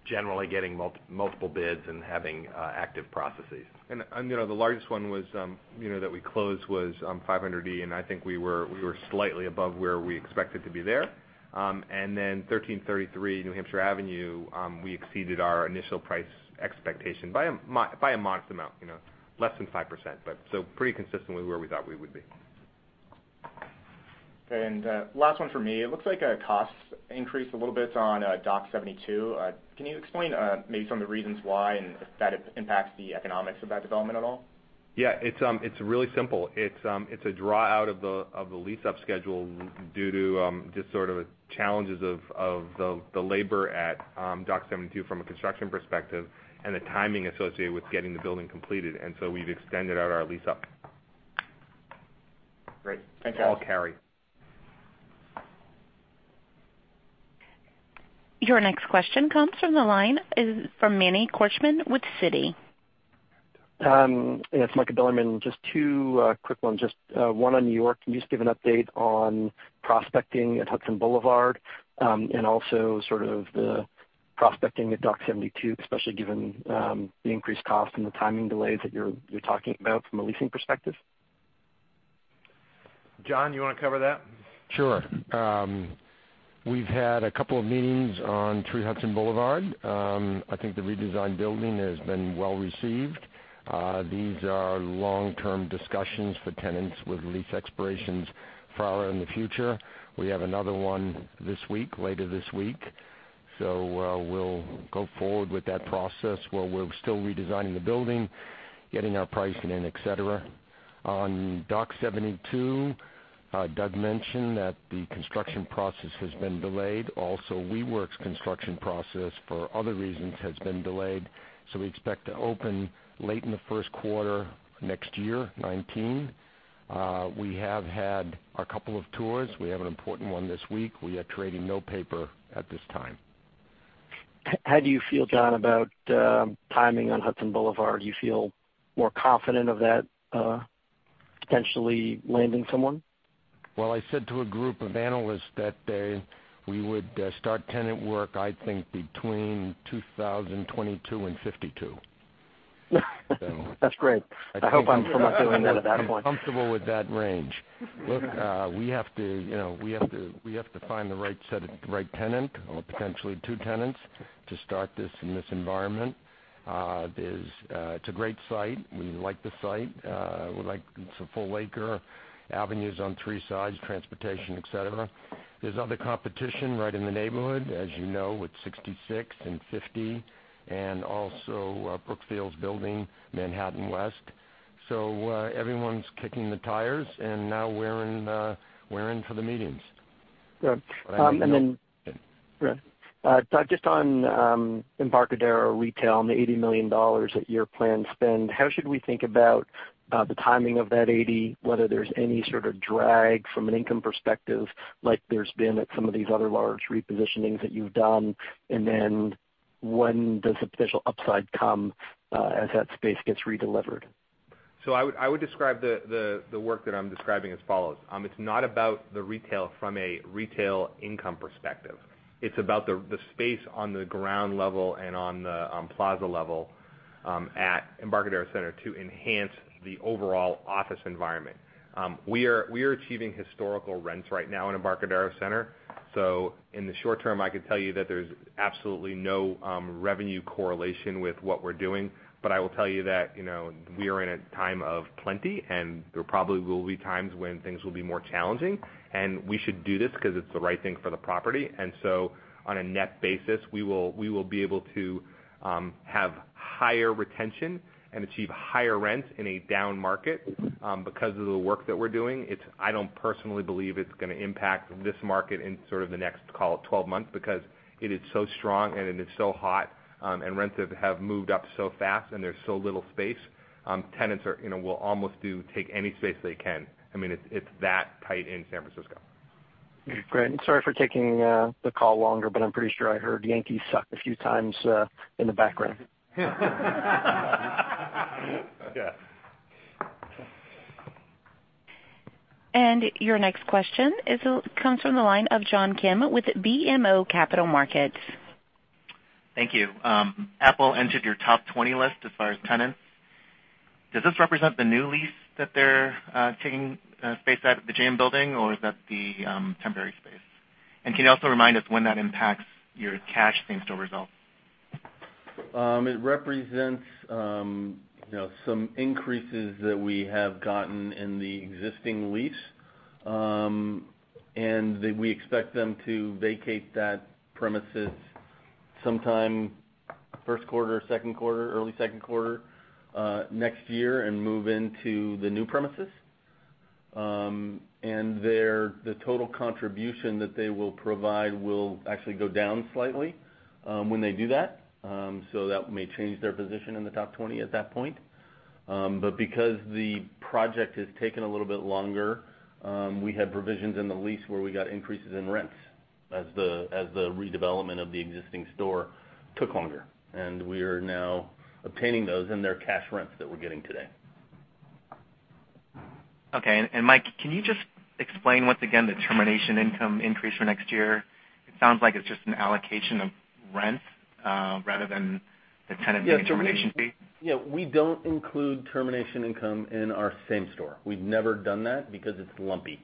E: generally getting multiple bids and having active processes.
D: The largest one that we closed was 500 E, and I think we were slightly above where we expected to be there. 1333 New Hampshire Avenue, we exceeded our initial price expectation by a modest amount. Less than 5%, but pretty consistent with where we thought we would be.
S: Okay. Last one from me. It looks like costs increased a little bit on Dock 72. Can you explain maybe some of the reasons why, and if that impacts the economics of that development at all?
E: Yeah. It's really simple. It's a draw out of the lease-up schedule due to just sort of challenges of the labor at Dock 72 from a construction perspective and the timing associated with getting the building completed. We've extended out our lease-up.
S: Great. Thanks, guys.
E: All carry.
A: Your next question comes from the line. It is from Manny Korchman with Citi.
T: Yeah, it's Michael Bilerman. Just two quick ones. Just one on New York. Can you just give an update on prospecting at Hudson Boulevard? Also sort of the prospecting at Dock72, especially given the increased cost and the timing delays that you're talking about from a leasing perspective?
E: John, you want to cover that?
G: Sure. We've had a couple of meetings on 3 Hudson Boulevard. I think the redesigned building has been well-received. These are long-term discussions for tenants with lease expirations farther in the future. We have another one this week, later this week. We'll go forward with that process while we're still redesigning the building, getting our pricing in, et cetera. On Dock72, Doug mentioned that the construction process has been delayed. Also, WeWork's construction process, for other reasons, has been delayed, so we expect to open late in the first quarter next year, 2019. We have had a couple of tours. We have an important one this week. We are trading no paper at this time.
T: How do you feel, John, about timing on Hudson Boulevard? Do you feel more confident of that potentially landing someone?
G: Well, I said to a group of analysts that we would start tenant work, I think, between 2022 and 2052.
T: That's great. I hope I'm still doing that at that point.
G: I'm comfortable with that range. Look, we have to find the right tenant, or potentially two tenants, to start this in this environment. It's a great site. We like the site. It's a full acre, avenues on three sides, transportation, et cetera. There's other competition right in the neighborhood, as you know, with 66 and 50, and also Brookfield Properties' building, Manhattan West. Everyone's kicking the tires, and now we're in for the meetings.
T: Good. Doug, just on Embarcadero retail and the $80 million that your plan spend, how should we think about the timing of that 80, whether there's any sort of drag from an income perspective, like there's been at some of these other large repositionings that you've done? Then when does the potential upside come as that space gets redelivered?
D: I would describe the work that I'm describing as follows. It's not about the retail from a retail income perspective. It's about the space on the ground level and on the plaza level, at Embarcadero Center to enhance the overall office environment. We are achieving historical rents right now in Embarcadero Center. In the short term, I could tell you that there's absolutely no revenue correlation with what we're doing. I will tell you that, we are in a time of plenty, and there probably will be times when things will be more challenging, and we should do this because it's the right thing for the property. On a net basis, we will be able to have higher retention and achieve higher rents in a down market, because of the work that we're doing. I don't personally believe it's going to impact this market in sort of the next, call it 12 months, because it is so strong and it is so hot, and rents have moved up so fast, and there's so little space. Tenants will almost take any space they can. I mean, it's that tight in San Francisco.
T: Great. Sorry for taking the call longer, but I'm pretty sure I heard Yankees suck a few times, in the background.
D: Yeah.
A: Your next question comes from the line of John Kim with BMO Capital Markets.
U: Thank you. Apple entered your top 20 list as far as tenants. Does this represent the new lease that they're taking space out of the GM Building, or is that the temporary space? Can you also remind us when that impacts your cash same-store results?
E: It represents some increases that we have gotten in the existing lease. We expect them to vacate that premises sometime first quarter, second quarter, early second quarter, next year and move into the new premises. The total contribution that they will provide will actually go down slightly, when they do that. So that may change their position in the top 20 at that point. Because the project has taken a little bit longer, we had provisions in the lease where we got increases in rents as the redevelopment of the existing store took longer. We are now obtaining those and their cash rents that we're getting today.
U: Okay. Mike, can you just explain once again the termination income increase for next year? It sounds like it's just an allocation of rent, rather than the tenant termination fee.
E: Yeah, we don't include termination income in our same store. We've never done that because it's lumpy,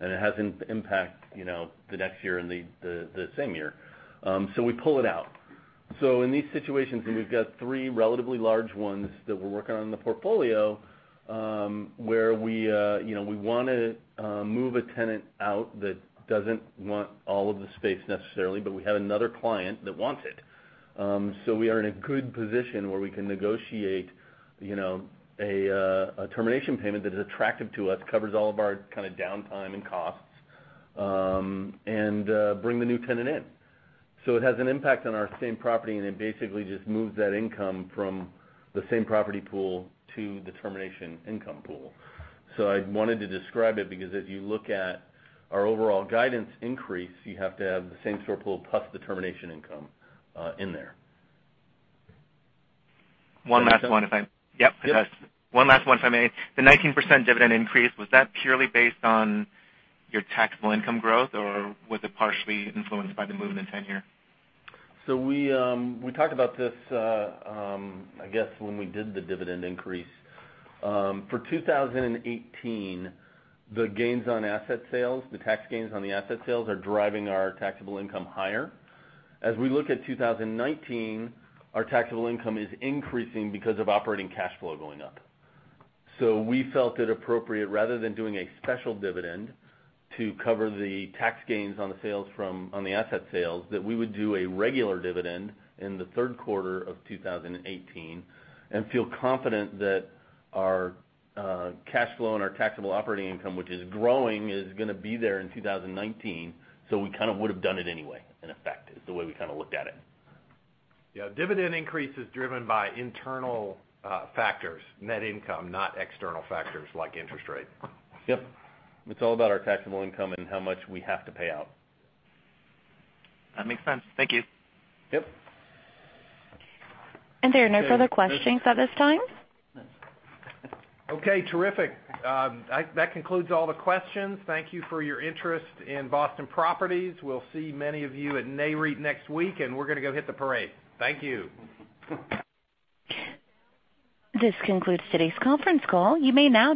E: and it has impact the next year and the same year. We pull it out. In these situations, and we've got three relatively large ones that we're working on in the portfolio, where we want to move a tenant out that doesn't want all of the space necessarily, but we have another client that wants it. We are in a good position where we can negotiate a termination payment that is attractive to us, covers all of our kind of downtime and costs, and bring the new tenant in. It has an impact on our same property, and it basically just moves that income from the same property pool to the termination income pool. I wanted to describe it because as you look at our overall guidance increase, you have to have the same store pool plus the termination income in there.
U: One last one.
E: Yep.
U: Yep. One last one, if I may. The 19% dividend increase, was that purely based on your taxable income growth, or was it partially influenced by the movement in ten-year?
E: We talked about this, I guess when we did the dividend increase. For 2018, the gains on asset sales, the tax gains on the asset sales are driving our taxable income higher. As we look at 2019, our taxable income is increasing because of operating cash flow going up. We felt it appropriate, rather than doing a special dividend to cover the tax gains on the asset sales, that we would do a regular dividend in the third quarter of 2018 and feel confident that our cash flow and our taxable operating income, which is growing, is going to be there in 2019. We kind of would've done it anyway, in effect, is the way we kind of looked at it.
D: Yeah. Dividend increase is driven by internal factors, net income, not external factors like interest rate.
E: Yep. It's all about our taxable income and how much we have to pay out.
U: That makes sense. Thank you.
E: Yep.
A: There are no further questions at this time.
D: Okay, terrific. That concludes all the questions. Thank you for your interest in Boston Properties. We'll see many of you at Nareit next week, and we're going to go hit the parade. Thank you.
A: This concludes today's conference call. You may now.